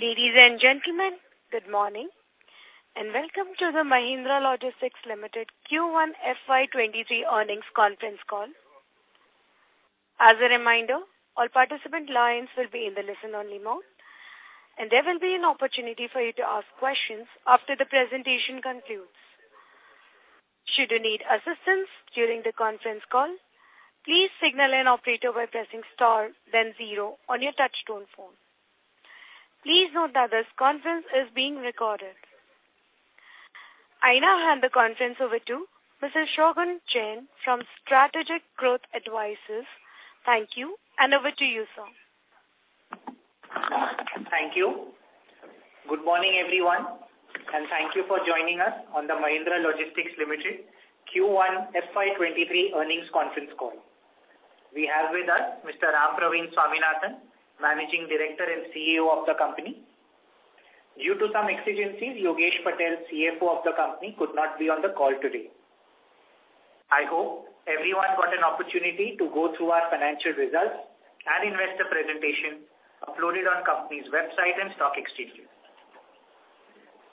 Ladies and gentlemen, good morning, and welcome to the Mahindra Logistics Limited Q1 FY 2023 earnings conference call. As a reminder, all participant lines will be in the listen-only mode, and there will be an opportunity for you to ask questions after the presentation concludes. Should you need assistance during the conference call, please signal an operator by pressing star then zero on your touch-tone phone. Please note that this conference is being recorded. I now hand the conference over to Mr. Shogun Jain from Strategic Growth Advisors. Thank you, and over to you, sir. Thank you. Good morning, everyone, and thank you for joining us on the Mahindra Logistics Limited Q1 FY 2023 earnings conference call. We have with us Mr. Rampraveen Swaminathan, Managing Director and CEO of the company. Due to some exigencies, Yogesh Patel, CFO of the company, could not be on the call today. I hope everyone got an opportunity to go through our financial results and investor presentation uploaded on company's website and stock exchanges.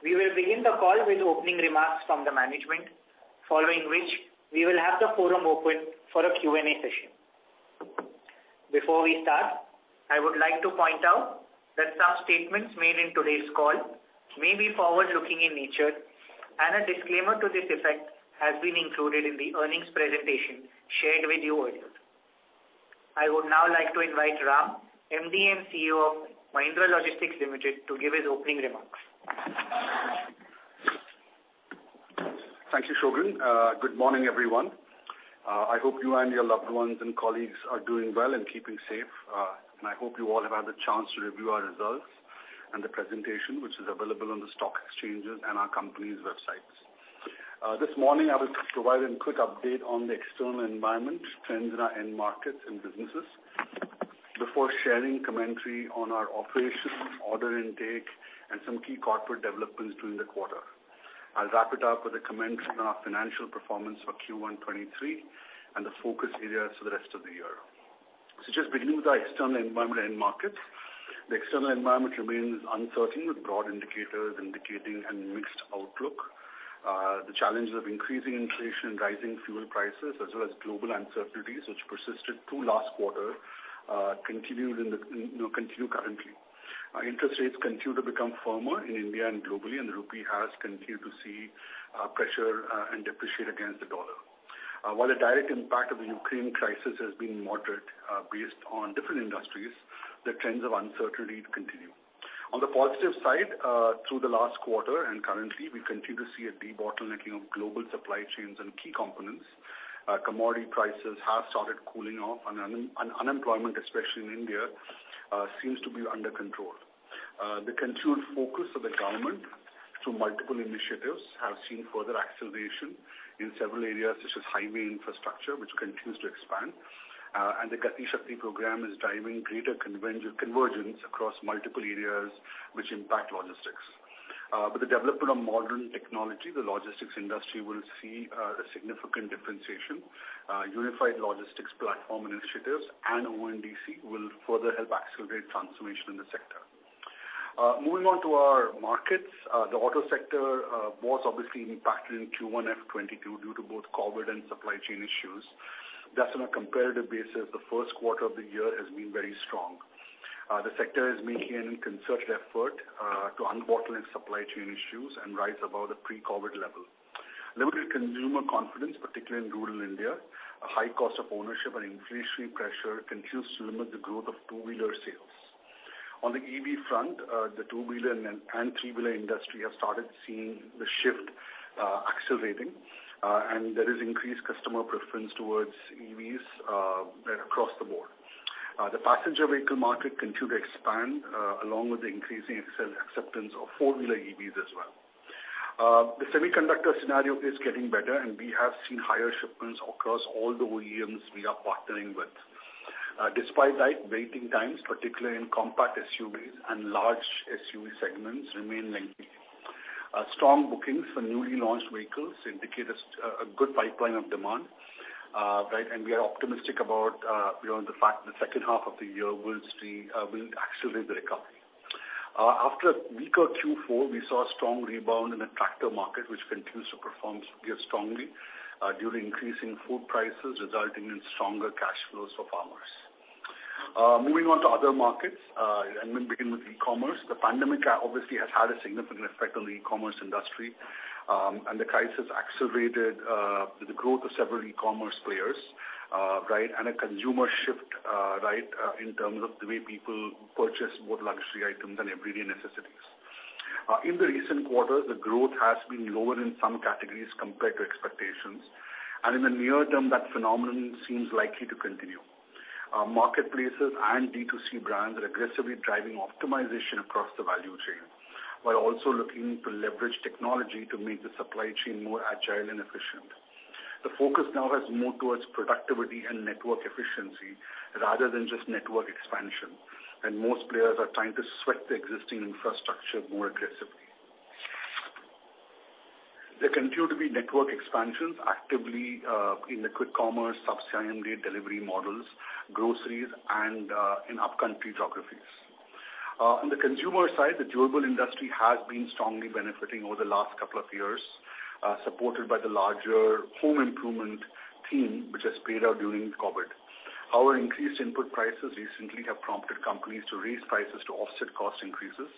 We will begin the call with opening remarks from the management, following which we will have the forum open for a Q&A session. Before we start, I would like to point out that some statements made in today's call may be forward-looking in nature, and a disclaimer to this effect has been included in the earnings presentation shared with you earlier. I would now like to invite Ram, MD and CEO of Mahindra Logistics Limited, to give his opening remarks. Thank you, Shogun. Good morning, everyone. I hope you and your loved ones and colleagues are doing well and keeping safe, and I hope you all have had the chance to review our results and the presentation, which is available on the stock exchanges and our company's websites. This morning I will be providing quick update on the external environment, trends in our end markets and businesses before sharing commentary on our operations, order intake, and some key corporate developments during the quarter. I'll wrap it up with a commentary on our financial performance for Q1 2023 and the focus areas for the rest of the year. Just beginning with our external environment end markets. The external environment remains uncertain, with broad indicators indicating a mixed outlook. The challenges of increasing inflation and rising fuel prices as well as global uncertainties which persisted through last quarter continued, you know, currently. Our interest rates continue to become firmer in India and globally, and the rupee has continued to see pressure and depreciate against the dollar. While the direct impact of the Ukraine crisis has been moderate, based on different industries, the trends of uncertainty continue. On the positive side, through the last quarter and currently, we continue to see a debottlenecking of global supply chains and key components. Commodity prices have started cooling off and unemployment, especially in India, seems to be under control. The continued focus of the government through multiple initiatives have seen further acceleration in several areas, such as highway infrastructure, which continues to expand. The Gati Shakti Programme is driving greater convergence across multiple areas which impact logistics. With the development of modern technology, the logistics industry will see a significant differentiation. Unified logistics platform initiatives and ONDC will further help accelerate transformation in the sector. Moving on to our markets, the auto sector was obviously impacted in Q1 FY 2022 due to both COVID and supply chain issues. Thus, on a comparative basis, the first quarter of the year has been very strong. The sector is making a concerted effort to unbottleneck supply chain issues and rise above the pre-COVID level. Limited consumer confidence, particularly in rural India, a high cost of ownership and inflationary pressure continues to limit the growth of two-wheeler sales. On the EV front, the two-wheeler and three-wheeler industry have started seeing the shift, accelerating, and there is increased customer preference towards EVs, across the board. The passenger vehicle market continue to expand, along with the increasing acceptance of four-wheeler EVs as well. The semiconductor scenario is getting better, and we have seen higher shipments across all the OEMs we are partnering with. Despite that, waiting times, particularly in compact SUVs and large SUV segments, remain lengthy. Strong bookings for newly launched vehicles indicate a good pipeline of demand, right? We are optimistic about, you know, the fact the second half of the year will see, will accelerate the recovery. After a weaker Q4, we saw a strong rebound in the tractor market, which continues to perform strongly due to increasing food prices resulting in stronger cash flows for farmers. Moving on to other markets, we begin with e-commerce. The pandemic obviously has had a significant effect on the e-commerce industry, and the crisis accelerated the growth of several e-commerce players, right? A consumer shift right in terms of the way people purchase both luxury items and everyday necessities. In the recent quarter, the growth has been lower in some categories compared to expectations, and in the near term, that phenomenon seems likely to continue. Marketplaces and D2C brands are aggressively driving optimization across the value chain while also looking to leverage technology to make the supply chain more agile and efficient. The focus now has moved towards productivity and network efficiency rather than just network expansion, and most players are trying to sweat the existing infrastructure more aggressively. There continue to be network expansions actively in the quick commerce, same-day delivery models, groceries, and in upcountry geographies. On the consumer side, the durable industry has been strongly benefiting over the last couple of years, supported by the larger home improvement theme, which has played out during COVID. However, increased input prices recently have prompted companies to raise prices to offset cost increases,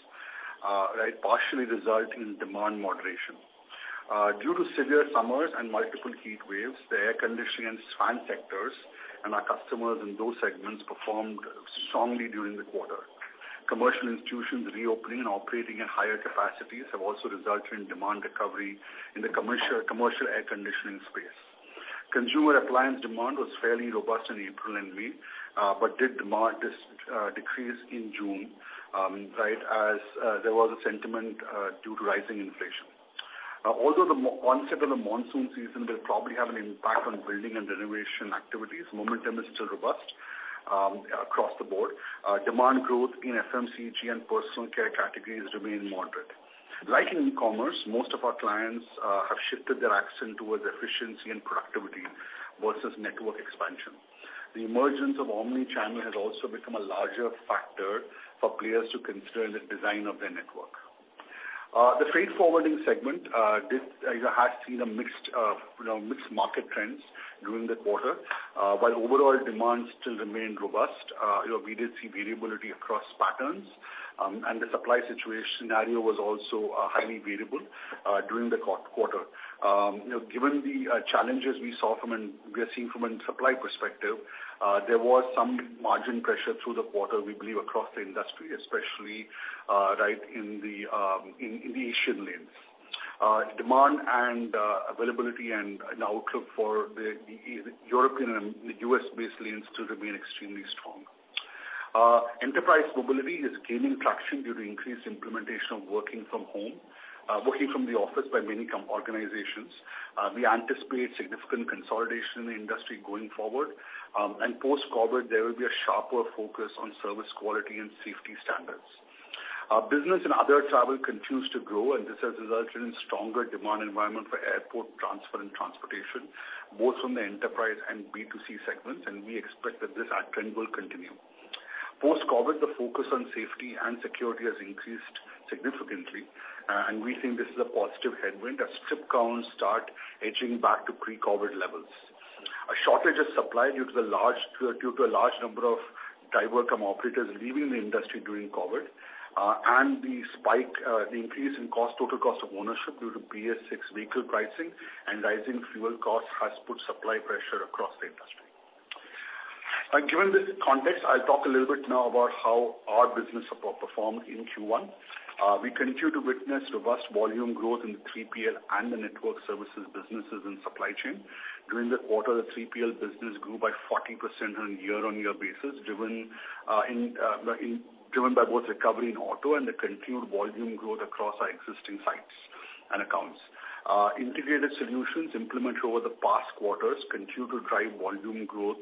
right, partially resulting in demand moderation. Due to severe summers and multiple heat waves, the air conditioning and fan sectors and our customers in those segments performed strongly during the quarter. Commercial institutions reopening and operating at higher capacities have also resulted in demand recovery in the commercial air conditioning space. Consumer appliance demand was fairly robust in April and May, but demand just decreased in June, right as there was a sentiment due to rising inflation. Although the onset of the monsoon season will probably have an impact on building and renovation activities, momentum is still robust across the board. Demand growth in FMCG and personal care categories remain moderate. Like in e-commerce, most of our clients have shifted their emphasis towards efficiency and productivity versus network expansion. The emergence of omni-channel has also become a larger factor for players to consider in the design of their network. The freight forwarding segment has seen a mixed, you know, market trends during the quarter. While overall demand still remained robust, you know, we did see variability across patterns, and the supply situation scenario was also highly variable during the quarter. You know, given the challenges we are seeing from a supply perspective, there was some margin pressure through the quarter, we believe, across the industry, especially right in the Asian lanes. Demand and availability and outlook for the European and the U.S.-based lanes still remain extremely strong. Enterprise Mobility is gaining traction due to increased implementation of working from home, working from the office by many organizations. We anticipate significant consolidation in the industry going forward. Post-COVID, there will be a sharper focus on service quality and safety standards. Business and other travel continues to grow, and this has resulted in stronger demand environment for airport transfer and transportation, both from the enterprise and B2C segments, and we expect that this, trend will continue. Post-COVID, the focus on safety and security has increased significantly, and we think this is a positive headwind as trip counts start edging back to pre-COVID levels. A shortage of supply due to a large number of driver-cum-operators leaving the industry during COVID, and the increase in total cost of ownership due to BSVI vehicle pricing and rising fuel costs has put supply pressure across the industry. Given this context, I'll talk a little bit now about how our business performed in Q1. We continue to witness robust volume growth in the 3PL and the network services businesses in supply chain. During the quarter, the 3PL business grew by 40% on a year-on-year basis, driven by both recovery in auto and the continued volume growth across our existing sites and accounts. Integrated solutions implemented over the past quarters continue to drive volume growth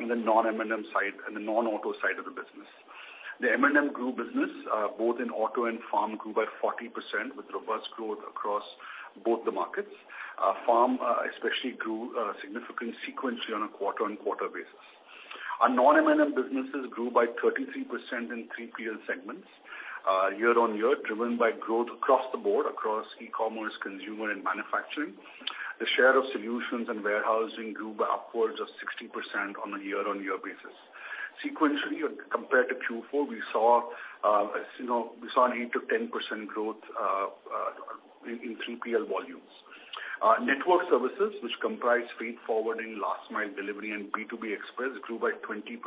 in the non-M&M side and the non-auto side of the business. The M&M business grew both in auto and farm by 40% with robust growth across both the markets. Farm especially grew significantly sequentially on a quarter-on-quarter basis. Our non-M&M businesses grew by 33% in 3PL segments year-on-year, driven by growth across the board, across e-commerce, consumer, and manufacturing. The share of solutions and warehousing grew by upwards of 60% on a year-on-year basis. Sequentially, compared to Q4, we saw, as you know, an 8%-10% growth in 3PL volumes. Network services, which comprise freight forwarding, Last Mile Delivery, and B2B Express, grew by 20%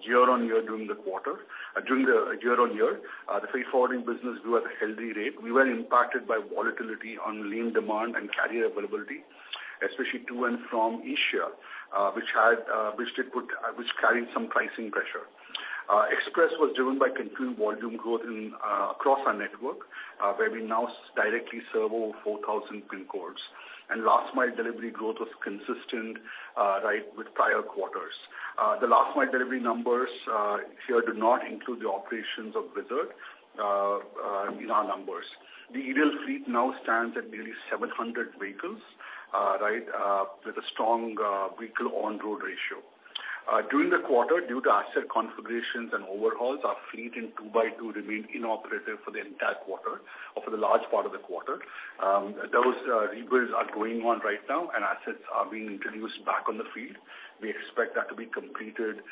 year-on-year during the quarter. The freight forwarding business grew at a healthy rate. We were impacted by volatility in lean demand and carrier availability, especially to and from Asia, which carried some pricing pressure. Express was driven by continued volume growth across our network, where we now directly serve over 4,000 pin codes. Last mile delivery growth was consistent, right, with prior quarters. The last mile delivery numbers here do not include the operations of Whizzard in our numbers. The EDeL Fleet now stands at nearly 700 vehicles, right, with a strong vehicle on road ratio. During the quarter, due to asset configurations and overhauls, our fleet in 2x2 remained inoperative for the entire quarter or for the large part of the quarter. Those rebuilds are going on right now, and assets are being introduced back on the fleet. We expect that to be completed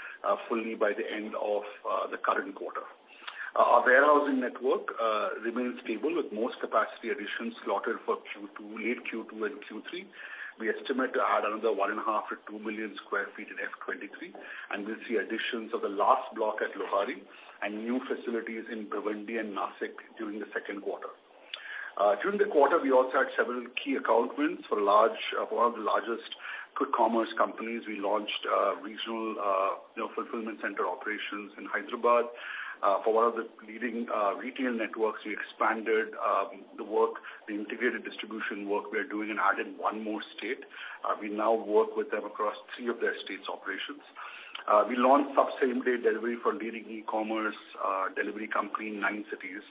fully by the end of the current quarter. Our warehousing network remains stable with most capacity additions slotted for Q2, late Q2 and Q3. We estimate to add another 1.5 milliob sq ft-2 million sq ft in FY 2023, and we'll see additions of the last block at Luhari and new facilities in Bhiwandi and Nashik during the second quarter. During the quarter, we also had several key account wins for large, one of the largest quick commerce companies. We launched regional, you know, fulfillment center operations in Hyderabad. For one of the leading retail networks, we expanded the integrated distribution work we are doing and added one more state. We now work with them across three of their states' operations. We launched same-day delivery for leading e-commerce delivery company in nine cities.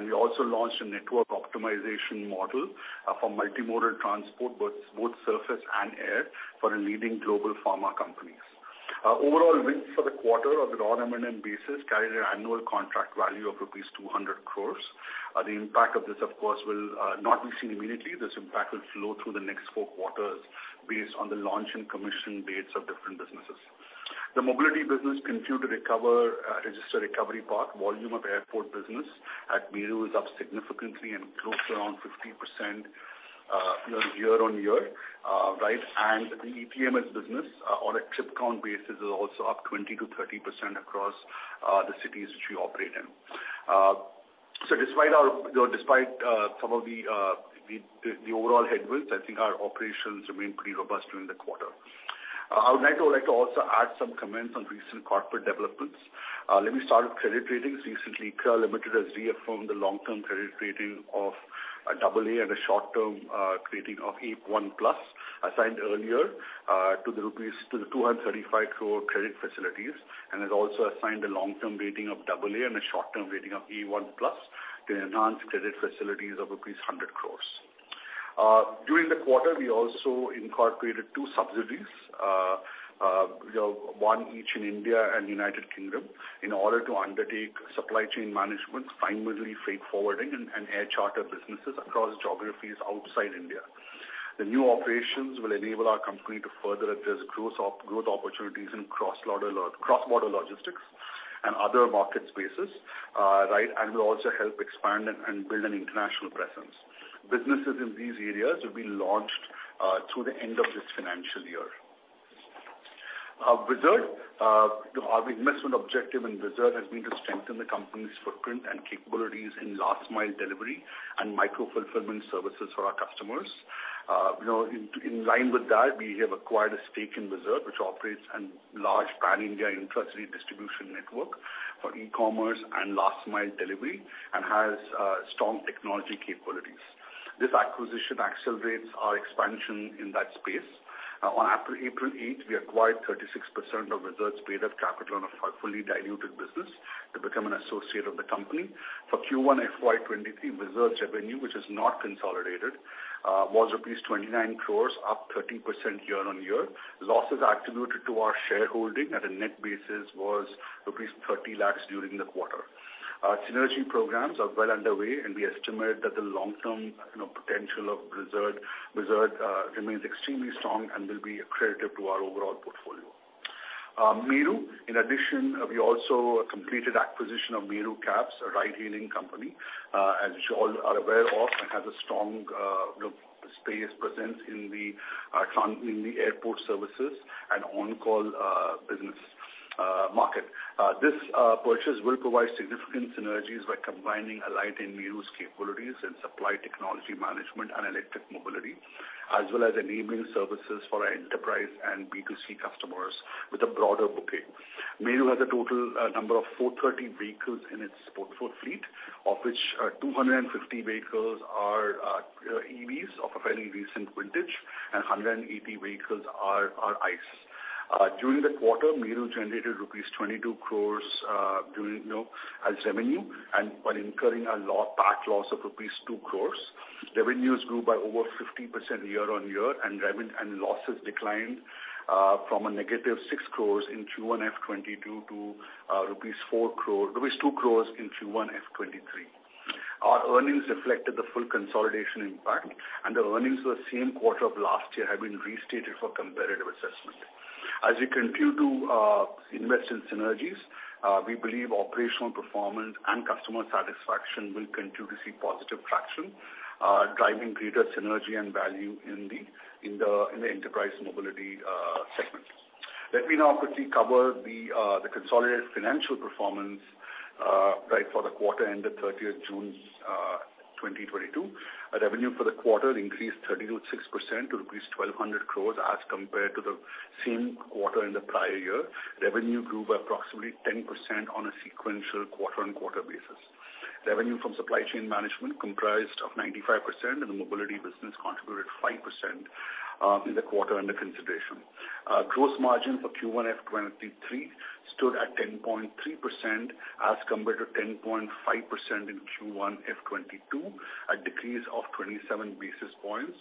We also launched a network optimization model for multimodal transport, both surface and air for a leading global pharma companies. Overall wins for the quarter on the non-M&M basis carried an annual contract value of rupees 200 crore. The impact of this, of course, will not be seen immediately. This impact will flow through the next four quarters based on the launch and commission dates of different businesses. The mobility business continued to recover, register recovery path. Volume of airport business at Meru is up significantly and close to around 50%, year-on-year, right? The ETMS business, on a trip count basis is also up 20%-30% across the cities which we operate in. Despite our—you know, despite some of the overall headwinds, I think our operations remain pretty robust during the quarter. I would like to also add some comments on recent corporate developments. Let me start with credit ratings. Recently ICRA Limited has reaffirmed the long-term credit rating of AA and a short-term rating of A1+, assigned earlier, to the 235 crore credit facilities, and has also assigned a long-term rating of AA and a short-term rating of A1+ to the enhanced credit facilities of rupees 100 crore. During the quarter, we also incorporated two subsidiaries, you know, one each in India and United Kingdom in order to undertake supply chain management, primarily freight forwarding and air charter businesses across geographies outside India. The new operations will enable our company to further address growth opportunities in cross-border logistics and other market spaces, and will also help expand and build an international presence. Businesses in these areas will be launched through the end of this financial year. Whizzard, you know, our investment objective in Whizzard has been to strengthen the company's footprint and capabilities in last mile delivery and micro fulfillment services for our customers. You know, in line with that, we have acquired a stake in Whizzard, which operates a large pan-India intercity distribution network for e-commerce and last mile delivery and has strong technology capabilities. This acquisition accelerates our expansion in that space. On April 8th, we acquired 36% of Whizzard's paid-up capital on a fully diluted basis to become an associate of the company. For Q1 FY 2023, Whizzard's revenue, which is not consolidated, was rupees 29 crores, up 13% year-on-year. Losses attributed to our shareholding on a net basis was rupees 30 lakhs during the quarter. Our synergy programs are well underway, and we estimate that the long-term, you know, potential of Whizzard remains extremely strong and will be accretive to our overall portfolio. In addition, we also completed acquisition of Meru Cabs, a ride-hailing company, as you all are aware of, and has a strong, you know, presence in the space of the airport services and on-call business market. This purchase will provide significant synergies by combining Alyte and Meru's capabilities in supply chain technology management and electric mobility, as well as enabling services for our enterprise and B2C customers with a broader bouquet. Meru has a total number of 430 vehicles in its portfolio fleet, of which, 250 vehicles are EVs of a fairly recent vintage, and 180 vehicles are ICE. During the quarter, Meru generated rupees 22 crores as revenue and while incurring a PAT loss of rupees 2 crores. Revenues grew by over 50% year-on-year and losses declined from a -6 crores in Q1 FY 2022 to rupees 2 crores in Q1 FY 2023. Our earnings reflected the full consolidation impact, and the earnings for the same quarter of last year have been restated for comparative assessment. As we continue to invest in synergies, we believe operational performance and customer satisfaction will continue to see positive traction, driving greater synergy and value in the enterprise mobility segment. Let me now quickly cover the consolidated financial performance, right, for the quarter ended thirtieth June 2022. Our revenue for the quarter increased 30.6% to rupees 1,200 crore as compared to the same quarter in the prior year. Revenue grew by approximately 10% on a sequential quarter-on-quarter basis. Revenue from supply chain management comprised of 95%, and the mobility business contributed 5% in the quarter under consideration. Gross margin for Q1 FY 2023 stood at 10.3% as compared to 10.5% in Q1 FY 2022, a decrease of 27 basis points.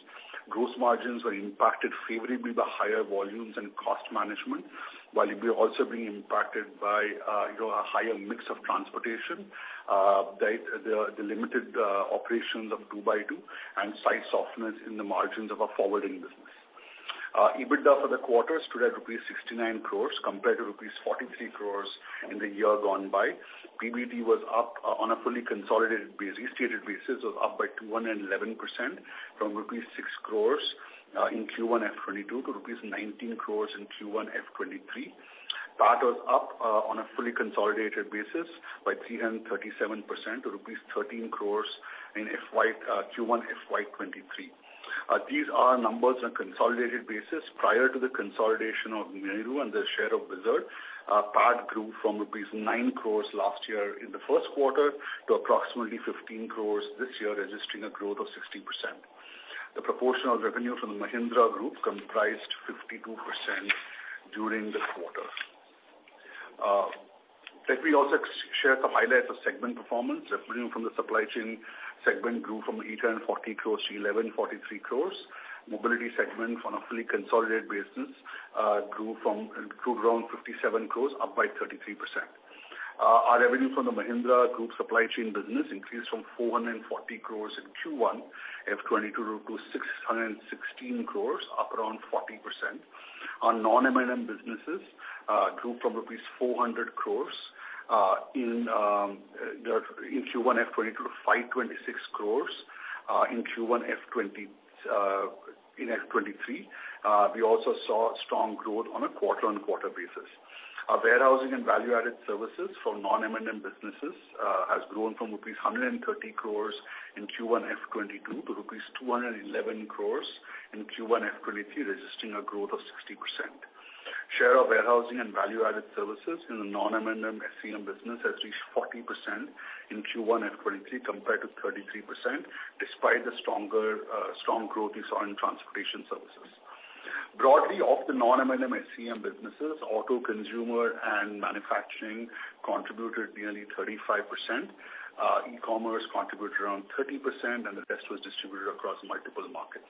Gross margins were impacted favorably by higher volumes and cost management, while it will also be impacted by a higher mix of transportation, the limited operations of 2x2 and slight softness in the margins of our forwarding business. EBITDA for the quarter stood at rupees 69 crore compared to rupees 43 crore in the year gone by. PBT was up, on a fully consolidated basis, restated basis, was up by 211% from rupees 6 crore in Q1 FY 2022 to rupees 19 crore in Q1 FY 2023. PAT was up, on a fully consolidated basis by 337% to rupees 13 crore in Q1 FY 2023. These are numbers on a consolidated basis prior to the consolidation of Meru and the share of Whizzard. PAT grew from rupees 9 crores last year in the first quarter to approximately 15 crores this year, registering a growth of 60%. The proportional revenue from the Mahindra Group comprised 52% during this quarter. Let me also share some highlights of segment performance. Revenue from the supply chain segment grew from 840 crores to 1,143 crores. Mobility segment on a fully consolidated basis grew around 57 crores, up by 33%. Our revenue from the Mahindra Group supply chain business increased from 440 crores in Q1 FY 2022 to 616 crores, up around 40%. Our non-M&M businesses grew from rupees 400 crores in Q1 FY 2022 to 526 crores in Q1 FY 2023. We also saw strong growth on a quarter-on-quarter basis. Our warehousing and value-added services for non-M&M businesses has grown from rupees 130 crore in Q1 FY 2022 to rupees 211 crore in Q1 FY 2023, registering a growth of 60%. Share of warehousing and value-added services in the non-M&M SCM business has reached 40% in Q1 FY 2023 compared to 33% despite the strong growth we saw in transportation services. Broadly, of the non-M&M SCM businesses, auto, consumer and manufacturing contributed nearly 35%. E-commerce contributed around 13%, and the rest was distributed across multiple markets.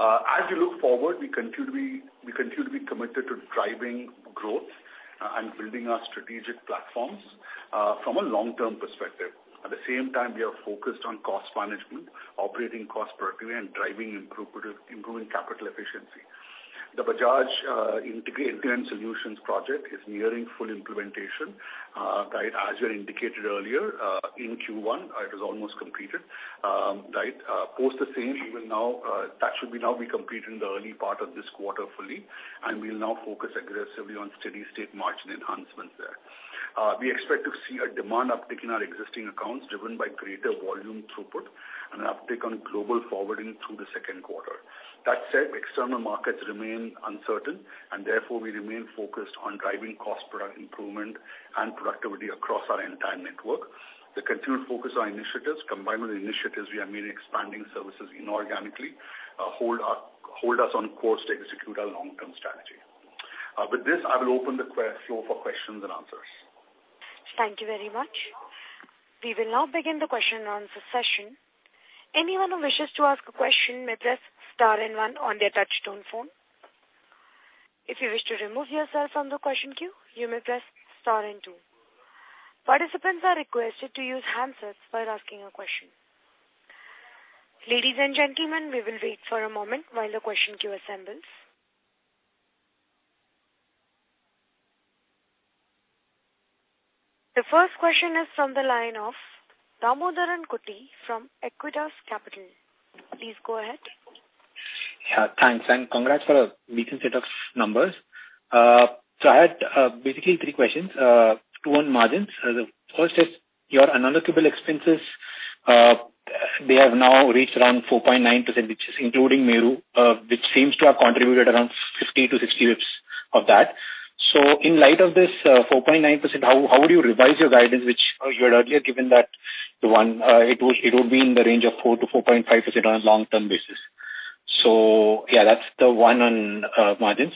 As we look forward, we continue to be committed to driving growth and building our strategic platforms from a long-term perspective. At the same time, we are focused on cost management, operating cost productivity and driving improving capital efficiency. The Bajaj end-to-end solutions project is nearing full implementation. As we had indicated earlier, in Q1, it was almost completed. Post the same even now, that should now be complete in the early part of this quarter fully, and we'll now focus aggressively on steady-state margin enhancements there. We expect to see a demand uptick in our existing accounts driven by greater volume throughput and an uptick on global forwarding through the second quarter. That said, external markets remain uncertain and therefore we remain focused on driving cost productivity improvement and productivity across our entire network. The continued focus on initiatives combined with initiatives we have been expanding services inorganically, hold us on course to execute our long-term strategy. With this, I will open the floor for questions and answers. Thank you very much. We will now begin the question and answer session. Anyone who wishes to ask a question may press star and one on their touch-tone phone. If you wish to remove yourself from the question queue, you may press star and two. Participants are requested to use handsets while asking a question. Ladies and gentlemen, we will wait for a moment while the question queue assembles. The first question is from the line of Damodaran Kutty from Acuitas Capital. Please go ahead. Yeah, thanks, and congrats for a decent set of numbers. I had basically three questions. Two on margins. The first is your unallocable expenses. They have now reached around 4.9%, which is including Meru, which seems to have contributed around 50-60 basis points of that. In light of this 4.9%, how would you revise your guidance which you had earlier given that it would be in the range of 4%-4.5% on a long-term basis? Yeah, that's the one on margins.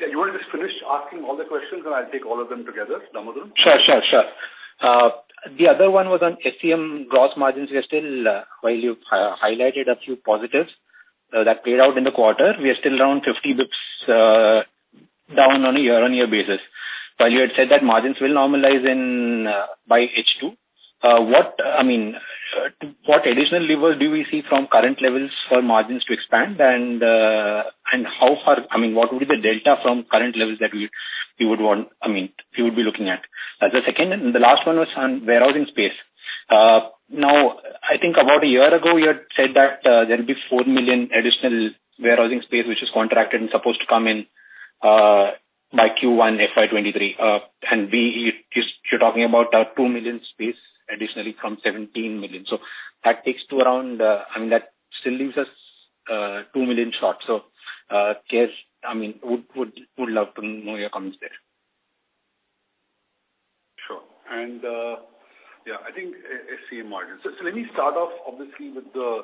Yeah, you wanna just finish asking all the questions and I'll take all of them together, Damodaran. Sure. The other one was on SCM gross margins. We are still, while you highlighted a few positives that played out in the quarter, we are still down 50 basis points on a year-on-year basis. While you had said that margins will normalize by H2, what additional levers do we see from current levels for margins to expand? And how far, I mean, what would be the delta from current levels that we would want, I mean, we would be looking at? The second and the last one was on warehousing space. Now I think about a year ago you had said that there'll be 4 million additional warehousing space which is contracted and supposed to come in by Q1 FY 2023. You're talking about 2 million space additionally from 17 million. That takes to around. I mean, that still leaves us 2 million short. Just, I mean, would love to know your comments there. Sure. I think SG&A margin. Let me start off obviously with the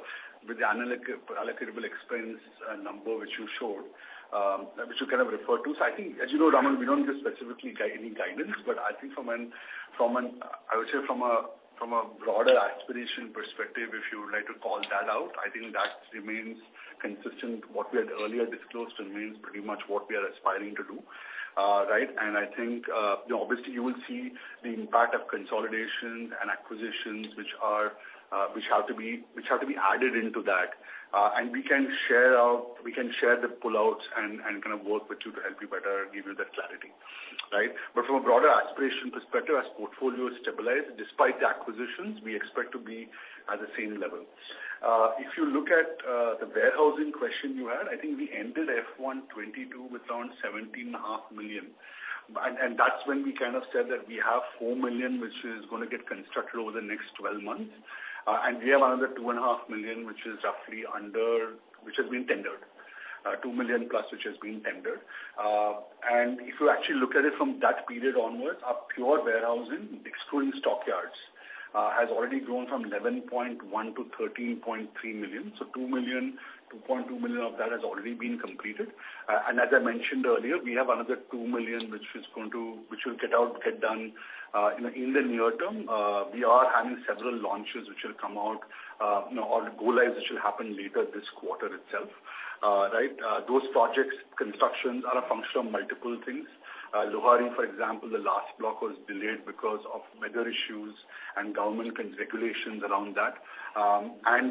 analyst's allocable expense number which you kind of referred to. I think, as you know, Damodaran, we don't give any specific guidance, but I think from an I would say from a broader aspirational perspective, if you would like to call that out, I think that remains consistent. What we had earlier disclosed remains pretty much what we are aspiring to do. Right. I think, you know, obviously you will see the impact of consolidations and acquisitions which have to be added into that. We can share the breakouts and kind of work with you to help you better give you that clarity. Right? From a broader aspiration perspective, as portfolio is stabilized despite the acquisitions, we expect to be at the same level. If you look at the warehousing question you had, I think we ended FY 2022 with around 17.5 million. That's when we kind of said that we have 4 million which is gonna get constructed over the next 12 months. We have another 2.5 million, which has been tendered, 2+ million plus which has been tendered. If you actually look at it from that period onwards, our pure warehousing, excluding stockyards, has already grown from 11.1 million to 13.3 million. 2 million, 2.2 million of that has already been completed. As I mentioned earlier, we have another 2 million which will get done, you know, in the near term. We are having several launches which will come out, you know, or go lives, which should happen later this quarter itself. Those project constructions are a function of multiple things. Luhari, for example, the last block was delayed because of weather issues and government regulations around that.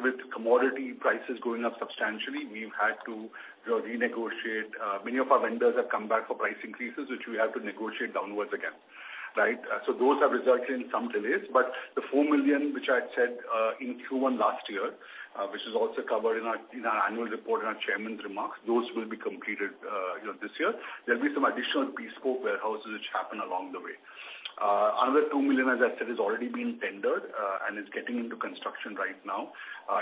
With commodity prices going up substantially, we've had to, you know, renegotiate. Many of our vendors have come back for price increases, which we have to negotiate downwards again, right? Those have resulted in some delays. The 4 million which I had said in Q1 last year, which is also covered in our annual report in our chairman's remarks, those will be completed, you know, this year. There'll be some additional pre-scope warehouses which happen along the way. Another 2 million, as I said, has already been tendered and is getting into construction right now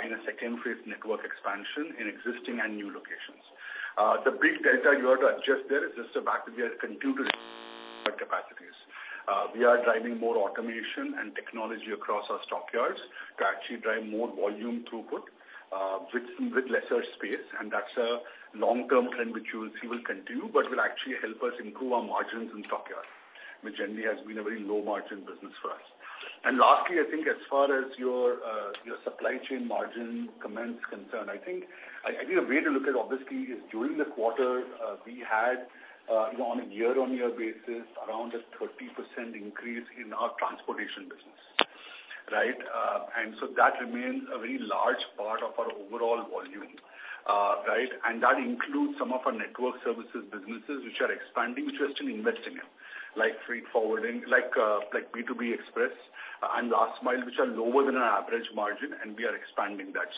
in a second phase network expansion in existing and new locations. The big delta you have to adjust there is just the fact that we have continued capacities. We are driving more automation and technology across our stockyards to actually drive more volume throughput with lesser space. That's a long-term trend which you will see will continue, but will actually help us improve our margins in stockyards, which generally has been a very low margin business for us. Lastly, I think as far as your supply chain margins concerns, I think a way to look at obviously is during the quarter, we had, on a year-on-year basis, around a 30% increase in our transportation business, right? That remains a very large part of our overall volume, right. That includes some of our network services businesses which are expanding, which we're still investing in, like freight forwarding, like B2B Express and Last Mile, which are lower than our average margin, and we are expanding that.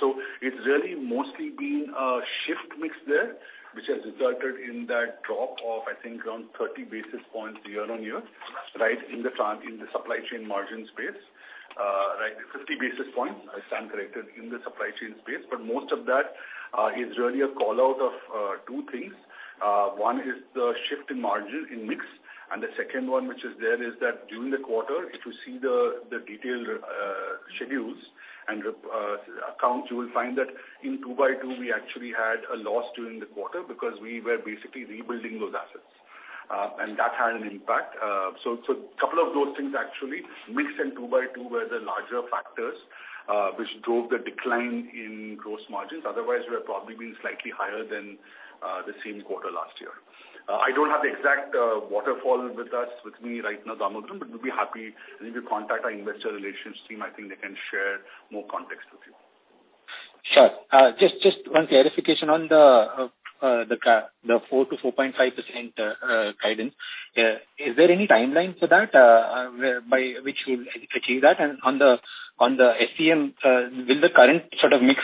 It's really mostly been a shift mix there, which has resulted in that drop of, I think, around 30 basis points year-on-year, right, in the supply chain margin space. Right, 50 basis points, I stand corrected in the supply chain space, but most of that is really a call-out of two things. One is the shift in margin in mix, and the second one, which is there, is that during the quarter, if you see the detailed schedules and accounts, you will find that in 2x2 we actually had a loss during the quarter because we were basically rebuilding those assets, and that had an impact. Couple of those things actually, mix and 2x2 were the larger factors which drove the decline in gross margins. Otherwise, we're probably being slightly higher than the same quarter last year. I don't have the exact waterfall with me right now, Damodaran, but we'll be happy. If you contact our investor relations team, I think they can share more context with you. Sure. Just one clarification on the 4%-4.5% guidance. Is there any timeline for that, where by which we'll achieve that? On the SCM, will the current sort of mix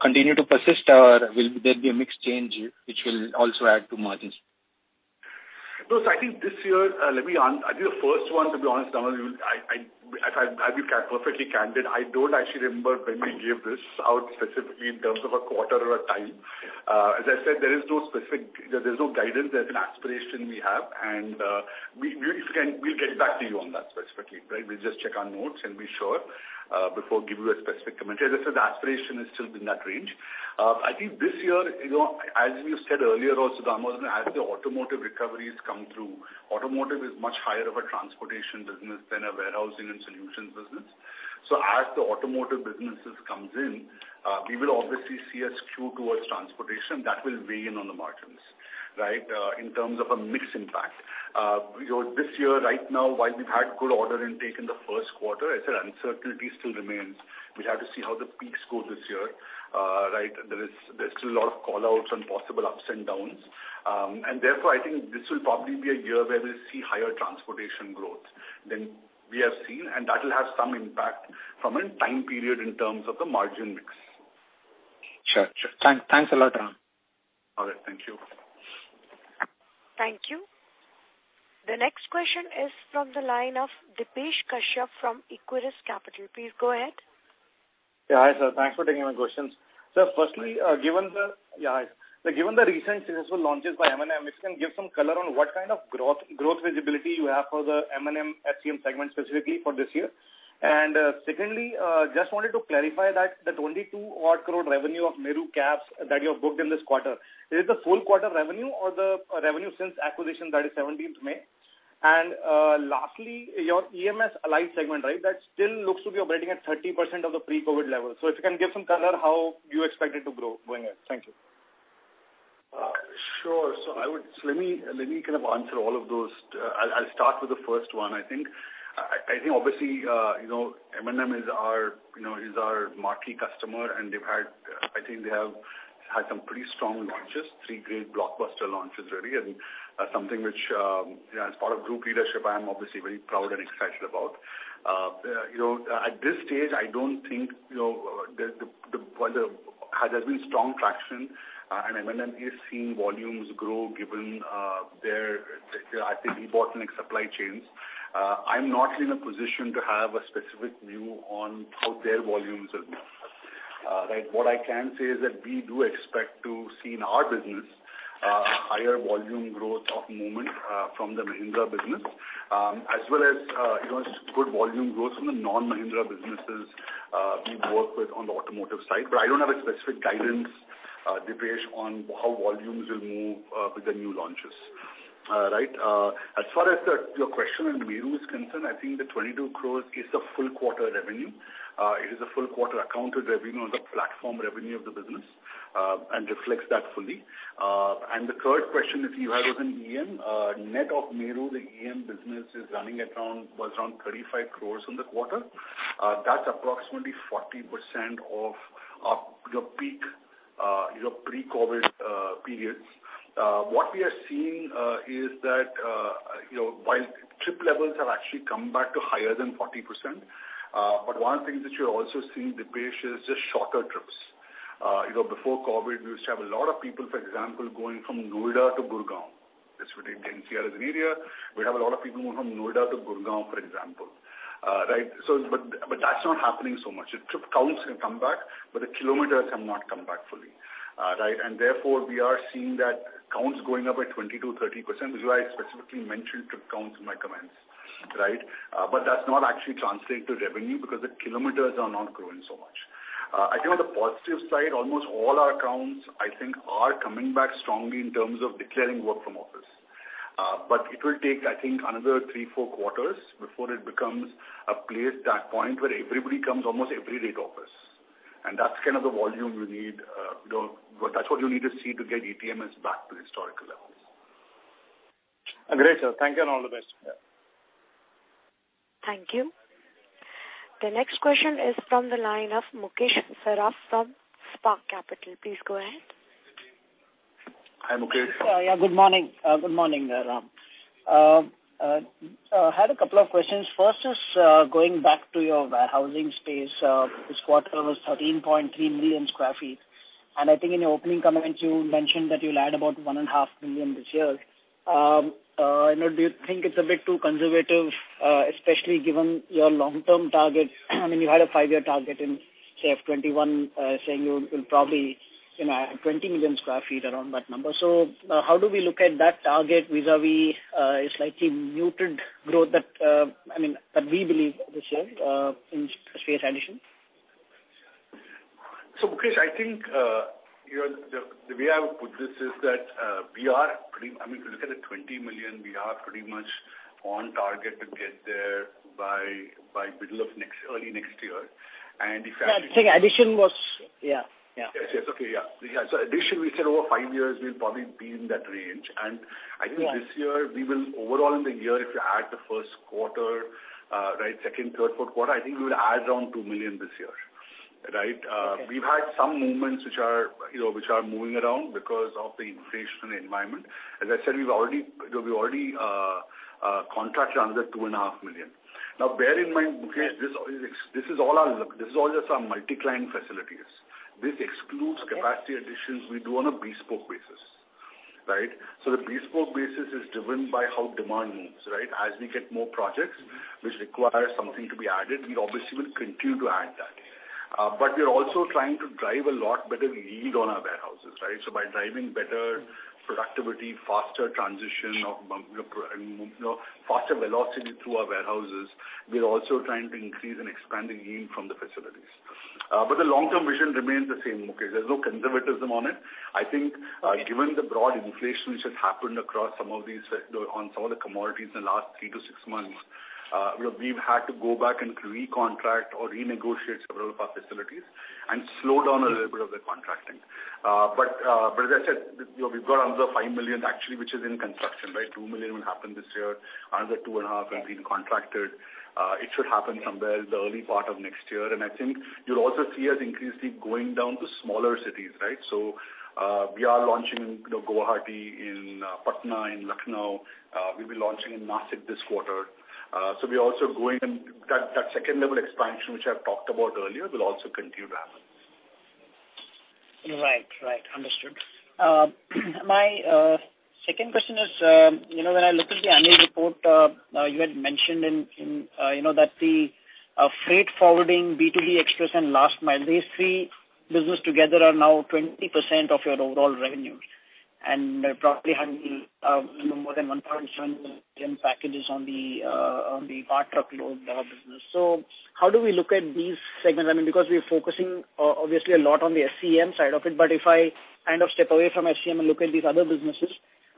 continue to persist or will there be a mix change which will also add to margins? No. I think this year, I'll be the first one to be honest, Damodaran. I'll be perfectly candid. I don't actually remember when we gave this out specifically in terms of a quarter or a time. As I said, there is no specific. There's no guidance. There's an aspiration we have. If we can, we'll get back to you on that specifically, right? We'll just check our notes and be sure before giving you a specific commentary. As I said, the aspiration is still in that range. I think this year, you know, as we've said earlier also, Damodaran, as the automotive recovery has come through, automotive is much higher of a transportation business than a warehousing and solutions business. As the automotive businesses comes in, we will obviously see a skew towards transportation that will weigh in on the margins, right, in terms of a mix impact. You know, this year right now, while we've had good order intake in the first quarter, as I said, uncertainty still remains. We'll have to see how the peaks go this year, right? There's still a lot of call outs and possible ups and downs. And therefore, I think this will probably be a year where we'll see higher transportation growth than we have seen, and that will have some impact from a time period in terms of the margin mix. Sure. Thanks a lot, Ram. All right. Thank you. Thank you. The next question is from the line of Depesh Kashyap from Equirus Capital. Please go ahead. Hi, sir. Thanks for taking my questions. Sir, firstly, given the recent successful launches by M&M, if you can give some color on what kind of growth visibility you have for the M&M SCM segment specifically for this year. Secondly, just wanted to clarify that the 22 crore revenue of Meru Cabs that you have booked in this quarter, is it the full quarter revenue or the revenue since acquisition that is 17th May? Lastly, your EMS Alyte segment, right? That still looks to be operating at 30% of the pre-COVID level. If you can give some color how you expect it to grow going ahead. Thank you. Sure. Let me kind of answer all of those. I'll start with the first one, I think. I think obviously, you know, M&M is our marquee customer, and they've had, I think they have had some pretty strong launches, three great blockbuster launches really, and something which, you know, as part of group leadership, I am obviously very proud and excited about. You know, at this stage, I don't think, while there has been strong traction, and M&M is seeing volumes grow given their important supply chains. I'm not in a position to have a specific view on how their volumes are moving. What I can say is that we do expect to see in our business higher volume growth of movement from the Mahindra business as well as you know good volume growth from the non-Mahindra businesses we work with on the automotive side. I don't have a specific guidance Depesh on how volumes will move with the new launches. As far as your question on Meru is concerned, I think the 22 crore is the full quarter revenue. It is a full quarter accounted revenue on the platform revenue of the business and reflects that fully. The third question that you had was on EM. Net of Meru, the EM business was around 35 crore in the quarter. That's approximately 40% of your peak, your pre-COVID periods. What we are seeing is that, you know, while trip levels have actually come back to higher than 40%, but one of the things that you're also seeing, Depesh, is just shorter trips. You know, before COVID, we used to have a lot of people, for example, going from Noida to Gurgaon. This would be NCR as an area. We have a lot of people going from Noida to Gurgaon, for example. Right? But that's not happening so much. The trip counts have come back, but the kilometers have not come back fully. Right? Therefore, we are seeing that counts going up by 20%-30%, which is why I specifically mentioned trip counts in my comments, right? That's not actually translating to revenue because the kilometers are not growing so much. I think on the positive side, almost all our accounts, I think, are coming back strongly in terms of declaring work from office. It will take, I think, another three, four quarters before it becomes a place, that point where everybody comes almost every day to office. That's kind of the volume we need, you know. That's what you need to see to get ETMS back to historical levels. Agreed, sir. Thank you, and all the best. Yeah. Thank you. The next question is from the line of Mukesh Saraf from Spark Capital. Please go ahead. Hi, Mukesh. Yeah. Good morning. Good morning, Ram. I had a couple of questions. First is, going back to your warehousing space. This quarter was 13.3 million sq ft, and I think in your opening comments you mentioned that you'll add about 1.5 million sq ft this year. You know, do you think it's a bit too conservative, especially given your long-term targets? I mean, you had a five-year target in, say, FY 2021, saying you'll probably, you know, add 20 million sq ft around that number. How do we look at that target vis-à-vis a slightly muted growth that I mean that we believe this year in square footage addition? Mukesh, I think you know the way I would put this is that we are pretty. I mean, if you look at the 20 million sq ft, we are pretty much on target to get there by early next year. If. Yeah. Yeah, yeah. Yes, yes. Okay, yeah. Yeah, in addition we said over five years we'll probably be in that range. Yeah. I think this year we will overall in the year, if you add the first quarter, right, second, third, fourth quarter, I think we'll add around 2 million sq ft this year, right? Okay. We've had some movements which are, you know, which are moving around because of the inflationary environment. As I said, we've already, you know, contracted another 2.5 million sq ft. Now, bear in mind, Mukesh. Yeah. This is all just our multi-client facilities. This excludes. Okay. Capacity additions we do on a bespoke basis, right? The bespoke basis is driven by how demand moves, right? As we get more projects which require something to be added, we obviously will continue to add that. We are also trying to drive a lot better yield on our warehouses, right? By driving better productivity, faster transition of, you know, and you know, faster velocity through our warehouses, we're also trying to increase and expand the yield from the facilities. The long-term vision remains the same, Mukesh. There's no conservatism on it. I think, given the broad inflation which has happened across some of these, on some of the commodities in the last 3-6 months, you know, we've had to go back and recontract or renegotiate several of our facilities and slow down a little bit of the contracting. But as I said, you know, we've got another 5 million sq ft actually, which is in construction, right? 2 million sq ft will happen this year, another 2.5 million sq ft have been contracted. It should happen somewhere in the early part of next year. I think you'll also see us increasingly going down to smaller cities, right? We are launching in, you know, Guwahati, in Patna, in Lucknow. We'll be launching in Nashik this quarter. We are also growing in. That second level expansion which I've talked about earlier will also continue to happen. Right. Understood. My second question is, you know, when I look at the annual report, you had mentioned in, you know, that the freight forwarding, B2B Express and Last Mile, these three businesses together are now 20% of your overall revenue. Probably having, you know, more than 1.7 million packages on the part truckload business. How do we look at these segments? I mean, because we're focusing obviously a lot on the SCM side of it, but if I kind of step away from SCM and look at these other businesses,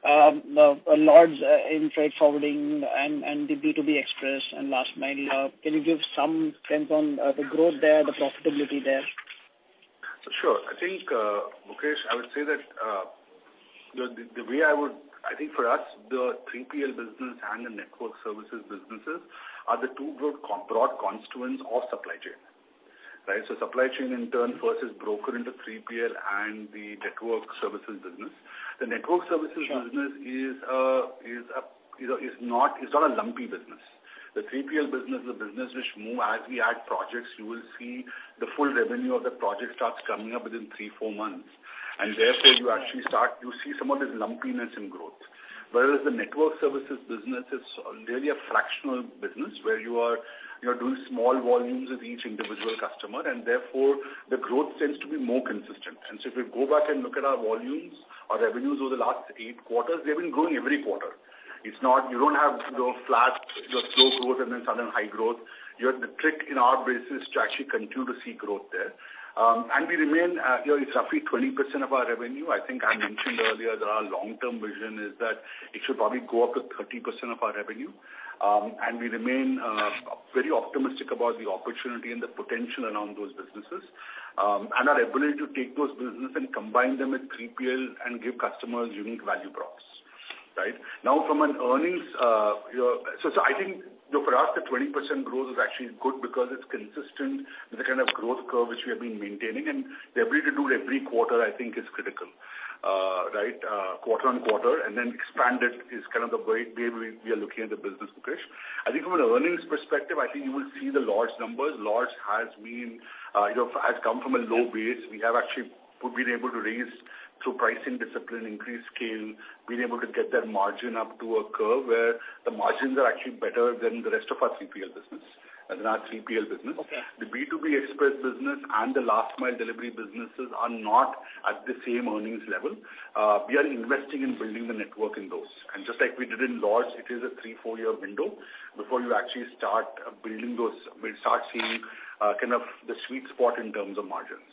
largely in freight forwarding and the B2B Express and Last Mile, can you give some sense on the growth there, the profitability there? Sure. I think, Mukesh, I would say that, you know, I think for us, the 3PL business and the network services businesses are the two broad constituents of supply chain, right? Supply chain in turn first is broken into 3PL and the network services business. The network services business. Sure. You know, it's not a lumpy business. The 3PL business is a business which move as we add projects, you will see the full revenue of the project starts coming up within three, four months. Therefore you actually start, you see, some of this lumpiness in growth. Whereas the network services business is really a fractional business where you're doing small volumes with each individual customer and therefore the growth tends to be more consistent. If you go back and look at our volumes, our revenues over the last eight quarters, they've been growing every quarter. It's not. You don't have, you know, flat, you know, slow growth and then sudden high growth. It's tricky in our business to actually continue to see growth there. We remain at, you know, it's roughly 20% of our revenue. I think I mentioned earlier that our long-term vision is that it should probably go up to 30% of our revenue. We remain very optimistic about the opportunity and the potential around those businesses, and our ability to take those business and combine them with 3PL and give customers unique value props, right? Now, from an earnings. So, I think, you know, for us the 20% growth is actually good because it's consistent with the kind of growth curve which we have been maintaining, and the ability to do it every quarter, I think is critical. Right, quarter-on-quarter, and then expand it is kind of the way we are looking at the business, Mukesh. I think from an earnings perspective, I think you will see the large numbers. Large has been, you know, has come from a low base. We have actually been able to raise through pricing discipline, increased scale, been able to get that margin up to a curve where the margins are actually better than the rest of our 3PL business. Okay. The B2B express business and the last mile delivery businesses are not at the same earnings level. We are investing in building the network in those. Just like we did in large, it is a three, four year window before you actually start building those, we'll start seeing kind of the sweet spot in terms of margins.